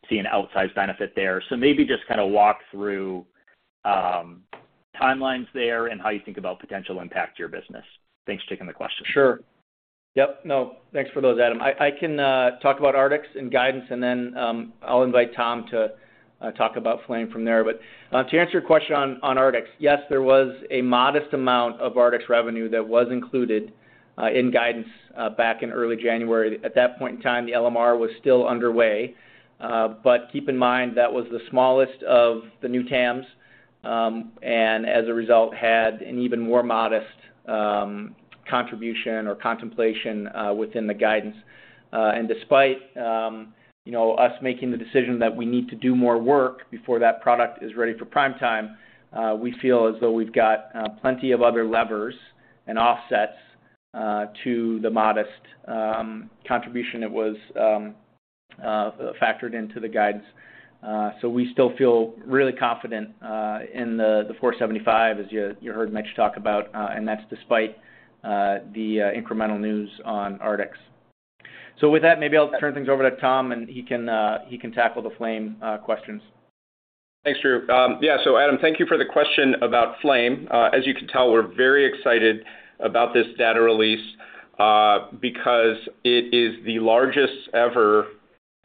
see an outsized benefit there. Maybe just kinda walk through timelines there and how you think about potential impact to your business. Thanks for taking the question. Sure. Yep. No, thanks for those, Adam Maeder. I can talk about Artix and guidance, and then, I'll invite Tom to talk about FLAME from there. To answer your question on Artix, yes, there was a modest amount of Artix revenue that was included in guidance back in early January. At that point in time, the LMR was still underway. Keep in mind, that was the smallest of the new TAMs, and as a result, had an even more modest contribution or contemplation within the guidance. Despite, you know, us making the decision that we need to do more work before that product is ready for prime time, we feel as though we've got plenty of other levers and offsets to the modest contribution that was factored into the guidance. We still feel really confident in the $475, as you heard Mitch talk about, and that's despite the incremental news on Artix. With that, maybe I'll turn things over to Tom, and he can tackle the FLAME questions. Thanks, Drew. Yeah, so Adam, thank you for the question about FLAME. As you can tell, we're very excited about this data release because it is the largest ever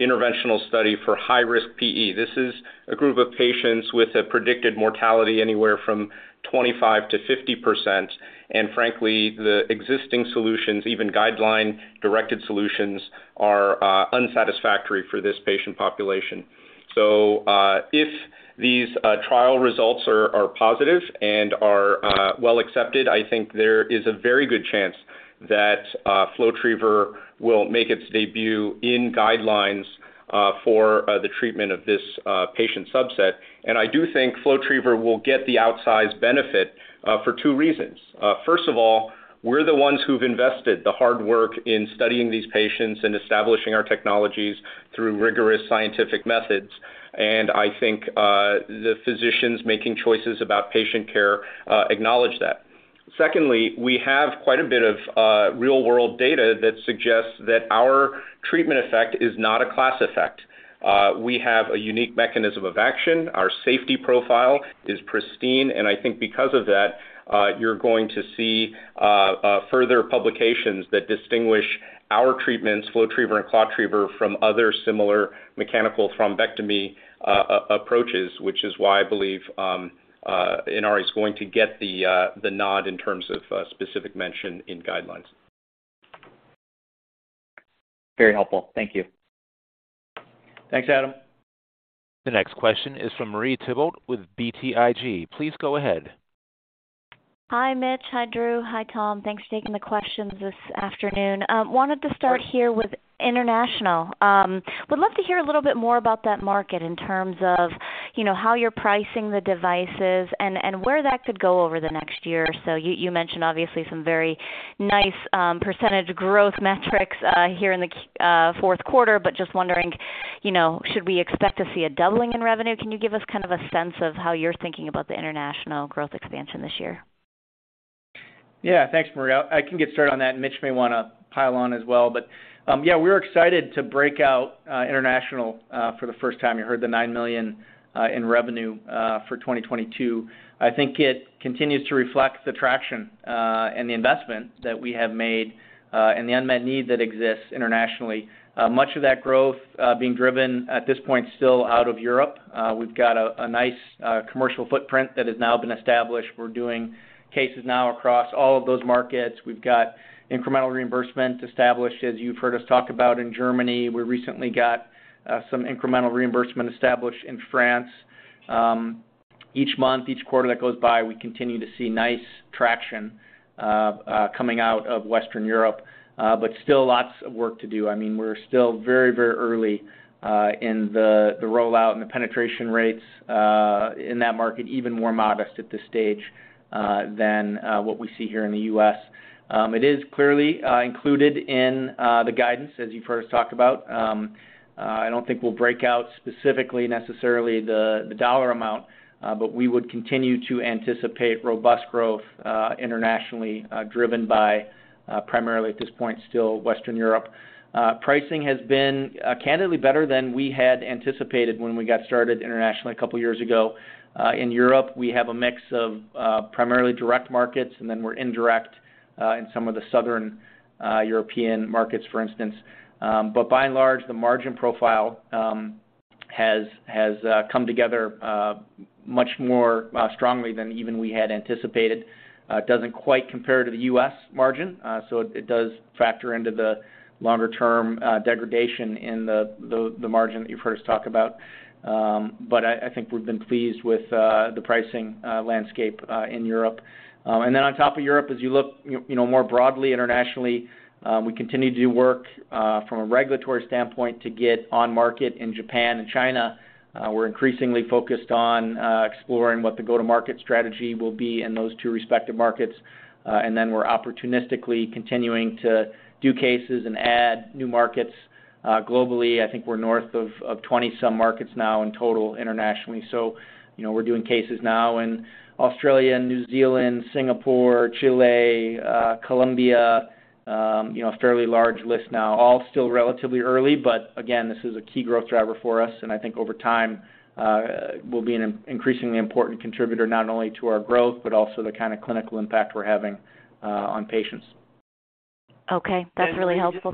interventional study for high-risk PE. This is a group of patients with a predicted mortality anywhere from 25%-50%. Frankly, the existing solutions, even guideline-directed solutions, are unsatisfactory for this patient population. If these trial results are positive and are well accepted, I think there is a very good chance that FlowTriever will make its debut in guidelines for the treatment of this patient subset. I do think FlowTriever will get the outsized benefit for two reasons. First of all, we're the ones who've invested the hard work in studying these patients and establishing our technologies through rigorous scientific methods, and I think the physicians making choices about patient care acknowledge that. Secondly, we have quite a bit of real-world data that suggests that our treatment effect is not a class effect. We have a unique mechanism of action. Our safety profile is pristine, and I think because of that, you're going to see further publications that distinguish our treatments, FlowTriever and ClotTriever, from other similar mechanical thrombectomy approaches, which is why I believe Inari is going to get the nod in terms of specific mention in guidelines. Very helpful. Thank you. Thanks, Adam. The next question is from Marie Thibault with BTIG. Please go ahead. Hi, Mitch. Hi, Drew. Hi, Tom. Thanks for taking the questions this afternoon. Wanted to start here with international. Would love to hear a little bit more about that market in terms of, you know, how you're pricing the devices and where that could go over the next year or so. You mentioned obviously some very nice percentage growth metrics here in the fourth quarter, but just wondering, you know, should we expect to see a doubling in revenue? Can you give us kind of a sense of how you're thinking about the international growth expansion this year? Yeah. Thanks, Marie Thibault. I can get started on that, and Mitch Hill may wanna pile on as well. Yeah, we're excited to break out international for the first time. You heard the $9 million in revenue for 2022. I think it continues to reflect the traction and the investment that we have made and the unmet need that exists internationally. Much of that growth being driven at this point still out of Europe. We've got a nice commercial footprint that has now been established. We're doing cases now across all of those markets. We've got incremental reimbursement established, as you've heard us talk about in Germany. We recently got some incremental reimbursement established in France. Each month, each quarter that goes by, we continue to see nice traction coming out of Western Europe, but still lots of work to do. I mean, we're still very, very early in the rollout and the penetration rates in that market, even more modest at this stage than what we see here in the US. It is clearly included in the guidance, as you've heard us talk about. I don't think we'll break out specifically necessarily the dollar amount, but we would continue to anticipate robust growth internationally, driven by primarily at this point, still Western Europe. Pricing has been candidly better than we had anticipated when we got started internationally a couple years ago. In Europe, we have a mix of primarily direct markets, and then we're indirect in some of the Southern European markets, for instance. By and large, the margin profile has come together much more strongly than even we had anticipated. It doesn't quite compare to the U.S. margin, so it does factor into the longer-term degradation in the margin that you've heard us talk about. But I think we've been pleased with the pricing landscape in Europe. On top of Europe, as you look, you know, more broadly internationally, we continue to do work from a regulatory standpoint to get on market in Japan and China. We're increasingly focused on exploring what the go-to-market strategy will be in those two respective markets. We're opportunistically continuing to do cases and add new markets globally. I think we're north of 20-some markets now in total internationally. You know, we're doing cases now in Australia, New Zealand, Singapore, Chile, Colombia, you know, a fairly large list now. All still relatively early, but again, this is a key growth driver for us, and I think over time, we'll be an increasingly important contributor, not only to our growth, but also the kind of clinical impact we're having on patients. Okay. That's really helpful.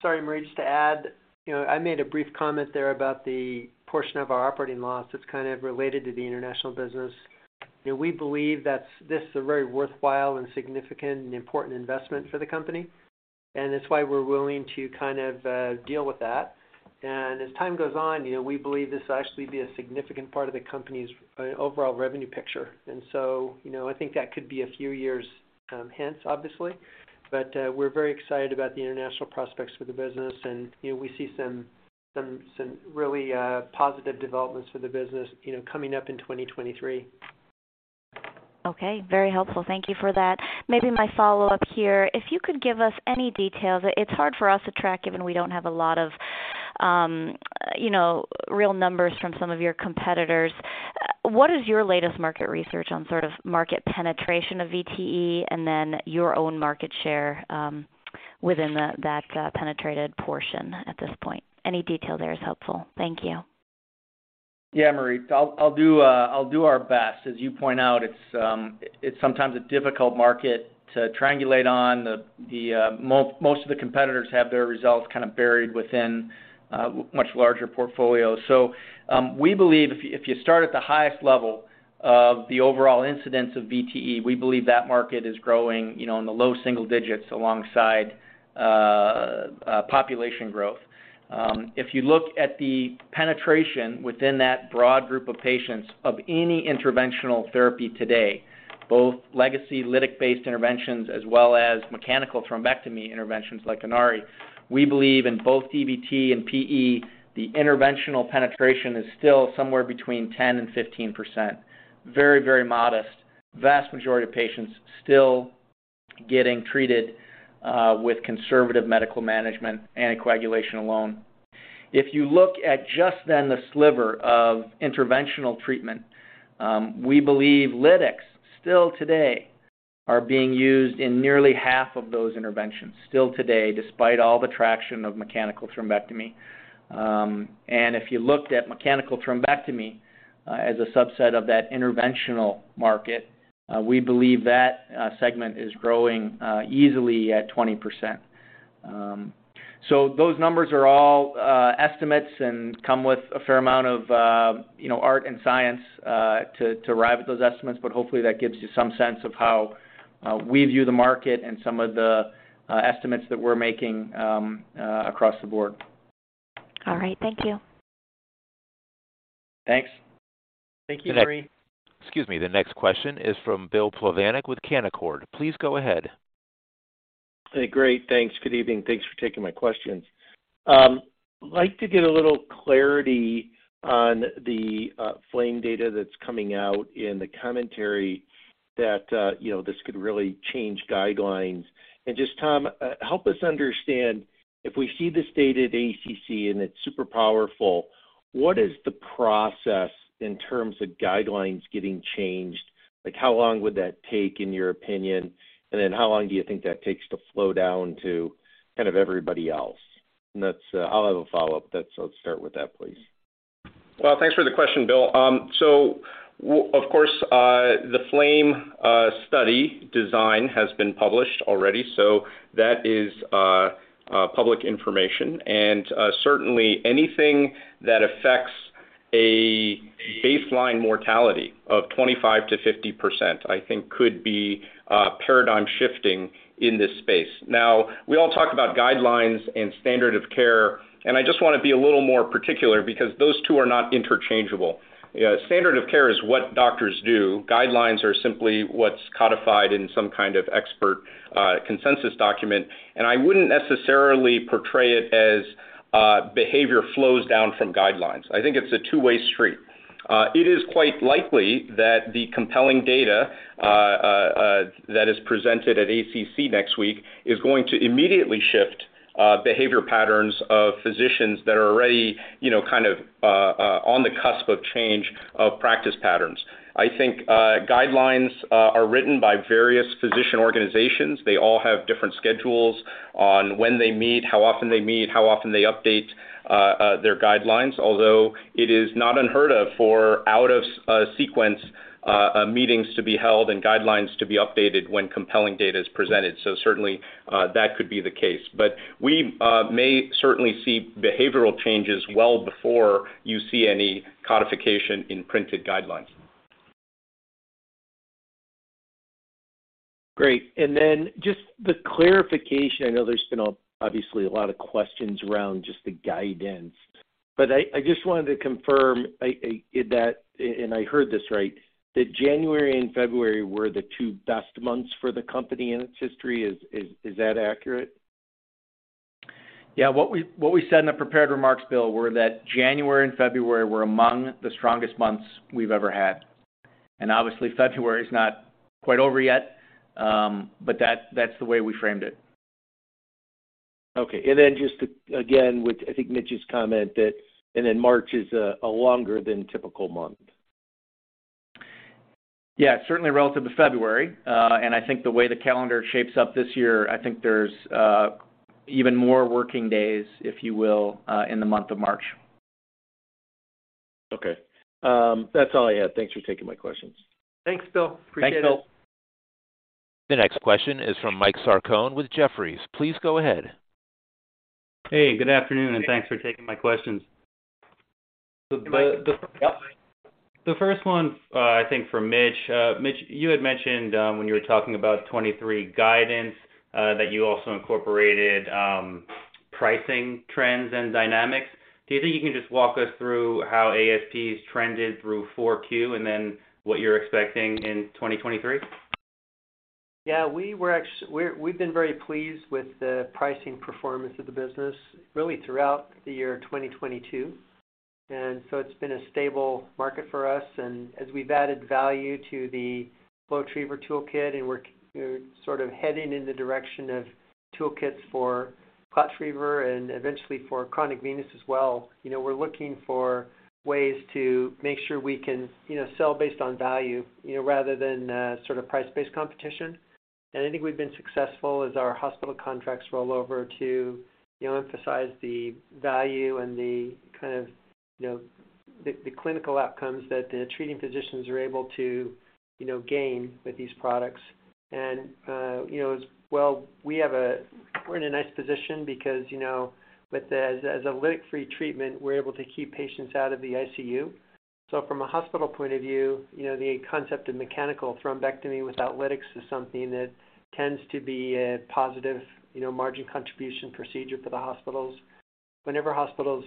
Sorry, Marie, just to add, you know, I made a brief comment there about the portion of our operating loss that's kind of related to the international business. You know, we believe this is a very worthwhile and significant and important investment for the company, and it's why we're willing to kind of deal with that. As time goes on, you know, we believe this will actually be a significant part of the company's overall revenue picture. I think that could be a few years, hence, obviously. We're very excited about the international prospects for the business and, you know, we see some really positive developments for the business, you know, coming up in 2023. Okay. Very helpful. Thank you for that. Maybe my follow-up here. If you could give us any details, it's hard for us to track, given we don't have a lot of, you know, real numbers from some of your competitors. What is your latest market research on sort of market penetration of VTE and then your own market share, within the, that, penetrated portion at this point? Any detail there is helpful. Thank you. Yeah, Marie. I'll do our best. As you point out, it's sometimes a difficult market to triangulate on. The most of the competitors have their results kind of buried within much larger portfolios. We believe if you start at the highest level of the overall incidence of VTE, we believe that market is growing, you know, in the low single digits alongside population growth. If you look at the penetration within that broad group of patients of any interventional therapy today, both legacy lytic-based interventions as well as mechanical thrombectomy interventions like Inari, we believe in both DVT and PE, the interventional penetration is still somewhere between 10% and 15%. Very, very modest. Vast majority of patients still getting treated with conservative medical management anticoagulation alone. If you look at just then the sliver of interventional treatment, we believe lytics still today are being used in nearly half of those interventions, still today, despite all the traction of mechanical thrombectomy. If you looked at mechanical thrombectomy, as a subset of that interventional market, we believe that segment is growing easily at 20%. Those numbers are all estimates and come with a fair amount of, you know, art and science, to arrive at those estimates, but hopefully, that gives you some sense of how we view the market and some of the estimates that we're making across the board. All right. Thank you. Thanks. Thank you, Marie. Excuse me. The next question is from Bill Plovanic with Canaccord. Please go ahead. Hey. Great. Thanks. Good evening. Thanks for taking my questions. Like to get a little clarity on the FLAME data that's coming out in the commentary that, you know, this could really change guidelines. Just, Tom, help us understand, if we see this data at ACC and it's super powerful, what is the process in terms of guidelines getting changed? Like, how long would that take, in your opinion? Then how long do you think that takes to flow down to kind of everybody else? That's, I'll have a follow-up to that, so let's start with that, please. Well, thanks for the question, Bill. Well, of course, the FLAME study design has been published already, so that is public information. Certainly anything that affects a baseline mortality of 25%-50%, I think could be paradigm shifting in this space. Now, we all talk about guidelines and standard of care, and I just wanna be a little more particular because those two are not interchangeable. You know, standard of care is what doctors do. Guidelines are simply what's codified in some kind of expert consensus document. I wouldn't necessarily portray it as behavior flows down from guidelines. I think it's a two-way street. It is quite likely that the compelling data that is presented at ACC next week is going to immediately shift behavior patterns of physicians that are already, you know, kind of, on the cusp of change of practice patterns. I think guidelines are written by various physician organizations. They all have different schedules on when they meet, how often they meet, how often they update their guidelines. Although it is not unheard of for out of sequence meetings to be held and guidelines to be updated when compelling data is presented. Certainly, that could be the case. We may certainly see behavioral changes well before you see any codification in printed guidelines. Great. Just the clarification. I know there's been obviously a lot of questions around just the guidance. I just wanted to confirm, I did that, I heard this right, that January and February were the two best months for the company in its history. Is that accurate? Yeah. What we said in the prepared remarks, Bill, were that January and February were among the strongest months we've ever had. Obviously February is not quite over yet, that's the way we framed it. Okay. Just to, again, with I think Mitch's comment that and then March is a longer than typical month. Yeah, certainly relative to February. I think the way the calendar shapes up this year, I think there's even more working days, if you will, in the month of March. That's all I had. Thanks for taking my questions. Thanks, Bill. Appreciate it. Thanks, Bill. The next question is from Michael Sarcone with Jefferies. Please go ahead. Hey, good afternoon, and thanks for taking my questions. The first one, I think for Mitch. Mitch, you had mentioned when you were talking about 2023 guidance that you also incorporated pricing trends and dynamics. Do you think you can just walk us through how AST has trended through Q4 and then what you're expecting in 2023? Yeah. We've been very pleased with the pricing performance of the business really throughout the year 2022. It's been a stable market for us. As we've added value to the FlowTriever toolkit, and we're sort of heading in the direction of toolkits for ClotTriever and eventually for chronic venous as well, you know, we're looking for ways to make sure we can, you know, sell based on value, you know, rather than sort of price-based competition. I think we've been successful as our hospital contracts roll over to, you know, emphasize the value and the kind of, you know, the clinical outcomes that the treating physicians are able to, you know, gain with these products. You know, as well we're in a nice position because, you know, as a lytic-free treatment, we're able to keep patients out of the ICU. From a hospital point of view, you know, the concept of mechanical thrombectomy without lytics is something that tends to be a positive, you know, margin contribution procedure for the hospitals. Whenever hospitals,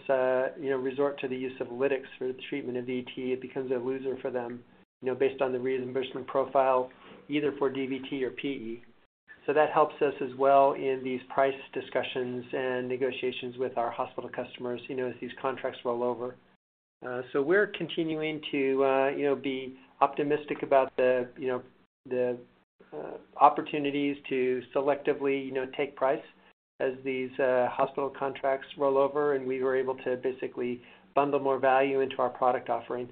you know, resort to the use of lytics for the treatment of VT, it becomes a loser for them, you know, based on the reimbursement profile either for DVT or PE. That helps us as well in these price discussions and negotiations with our hospital customers, you know, as these contracts roll over. We're continuing to, you know, be optimistic about the, you know, the opportunities to selectively, you know, take price as these hospital contracts roll over and we were able to basically bundle more value into our product offering.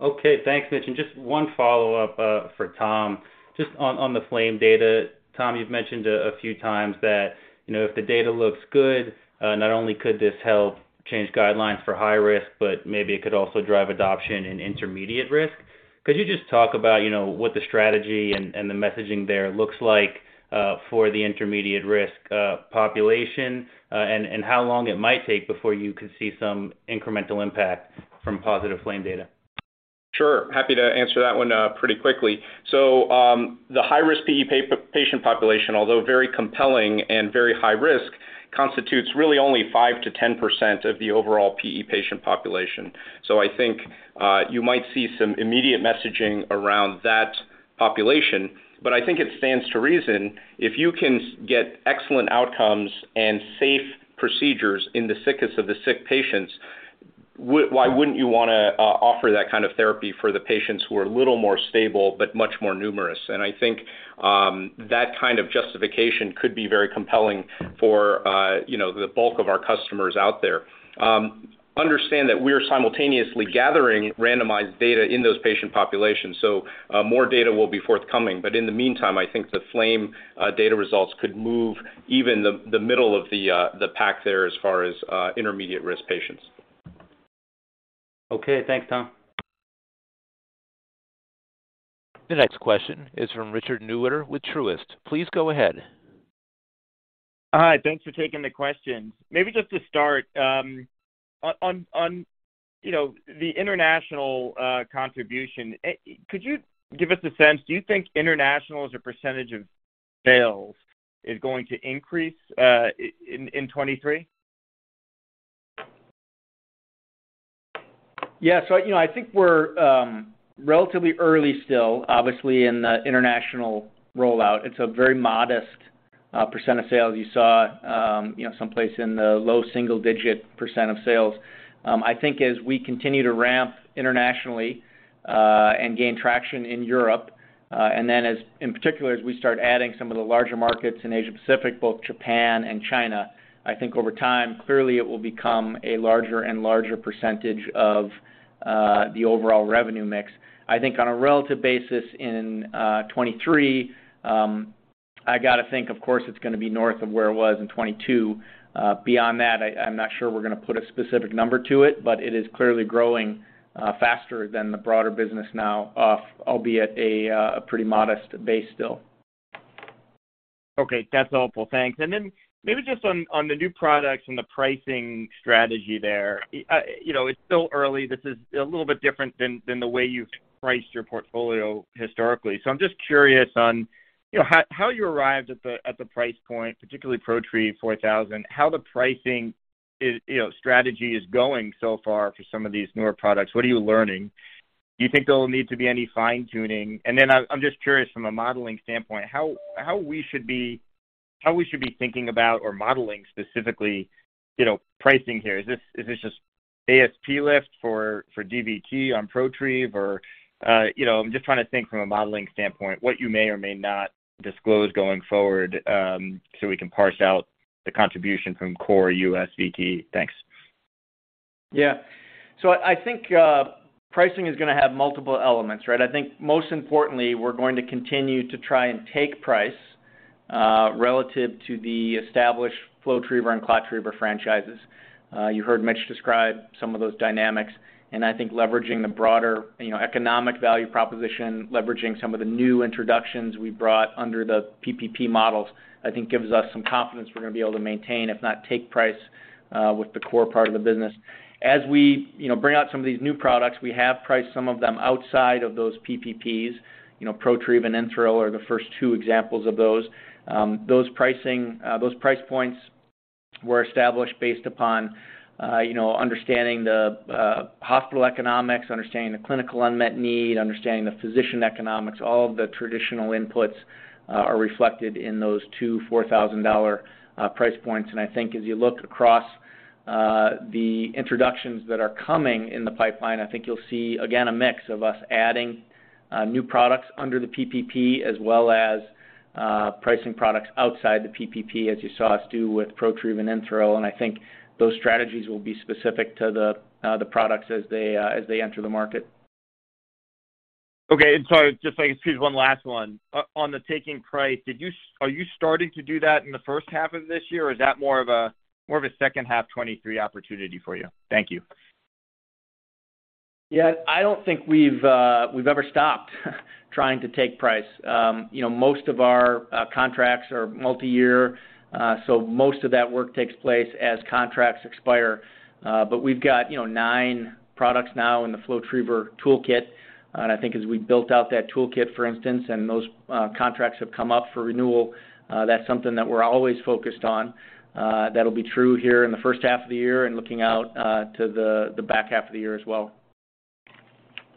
Okay. Thanks, Mitch. Just one follow-up for Tom, just on the FLAME data. Tom, you've mentioned a few times that, you know, if the data looks good, not only could this help change guidelines for high risk, but maybe it could also drive adoption in intermediate risk. Could you just talk about, you know, what the strategy and the messaging there looks like for the intermediate risk population, and how long it might take before you could see some incremental impact from positive FLAME data? Sure. Happy to answer that one pretty quickly. The high-risk PE patient population, although very compelling and very high risk, constitutes really only 5% to 10% of the overall PE patient population. I think you might see some immediate messaging around that population. I think it stands to reason if you can get excellent outcomes and safe procedures in the sickest of the sick patients, why wouldn't you wanna offer that kind of therapy for the patients who are a little more stable but much more numerous? I think that kind of justification could be very compelling for, you know, the bulk of our customers out there. Understand that we are simultaneously gathering randomized data in those patient populations, more data will be forthcoming. In the meantime, I think the FLAME data results could move even the middle of the pack there as far as intermediate risk patients. Okay. Thanks, Tom. The next question is from Richard Newitter with Truist. Please go ahead. Hi, thanks for taking the questions. Maybe just to start, on, you know, the international contribution, could you give us a sense? Do you think international, as a percentage of sales, is going to increase in 23? You know, I think we're relatively early still, obviously, in the international rollout. It's a very modest % of sales. You saw, you know, someplace in the low single-digit % of sales. I think as we continue to ramp internationally and gain traction in Europe, and then as, in particular, as we start adding some of the larger markets in Asia-Pacific, both Japan and China, I think over time, clearly it will become a larger and larger percentage of the overall revenue mix. I think on a relative basis in 2023, I gotta think, of course, it's gonna be north of where it was in 2022. beyond that, I'm not sure we're gonna put a specific number to it, but it is clearly growing, faster than the broader business now off, albeit a pretty modest base still. Okay, that's helpful. Thanks. Maybe just on the new products and the pricing strategy there. You know, it's still early. This is a little bit different than the way you've priced your portfolio historically. I'm just curious on, you know, how you arrived at the price point, particularly ProTrieve 4,000, how the pricing is, you know, strategy is going so far for some of these newer products. What are you learning? Do you think there'll need to be any fine-tuning? I'm just curious from a modeling standpoint, how we should be thinking about or modeling specifically, you know, pricing here. Is this just ASP lift for DVT on ProTrieve or, you know... I'm just trying to think from a modeling standpoint what you may or may not disclose going forward, so we can parse out the contribution from core US VT. Thanks. Yeah. I think, pricing is gonna have multiple elements, right? I think most importantly, we're going to continue to try and take price, relative to the established FlowTriever and ClotTriever franchises. You heard Mitch describe some of those dynamics, and I think leveraging the broader, you know, economic value proposition, leveraging some of the new introductions we brought under the PPP models, I think gives us some confidence we're gonna be able to maintain, if not take price, with the core part of the business. As we, you know, bring out some of these new products, we have priced some of them outside of those PPPs. You know, ProTrieve and InThrill are the first two examples of those. Those price points were established based upon, you know, understanding the hospital economics, understanding the clinical unmet need, understanding the physician economics. All of the traditional inputs are reflected in those two $4,000 price points. I think as you look across the introductions that are coming in the pipeline, I think you'll see again a mix of us adding new products under the PPP, as well as pricing products outside the PPP, as you saw us do with ProTrieve and InThrill. I think those strategies will be specific to the products as they enter the market. Just like squeeze one last one. On the taking price, are you starting to do that in the first half of this year, or is that more of a second half 2023 opportunity for you? Thank you. Yeah. I don't think we've ever stopped trying to take price. You know, most of our, contracts are multi-year, so most of that work takes place as contracts expire. We've got, you know, nine products now in the FlowTriever toolkit. I think as we built out that toolkit, for instance, and those, contracts have come up for renewal, that's something that we're always focused on. That'll be true here in the first half of the year and looking out, to the back half of the year as well.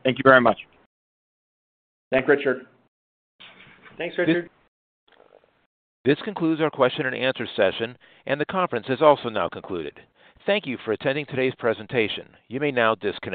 Thank you very much. Thank you, Richard. Thanks, Richard. This concludes our question and answer session. The conference has also now concluded. Thank you for attending today's presentation. You may now disconnect.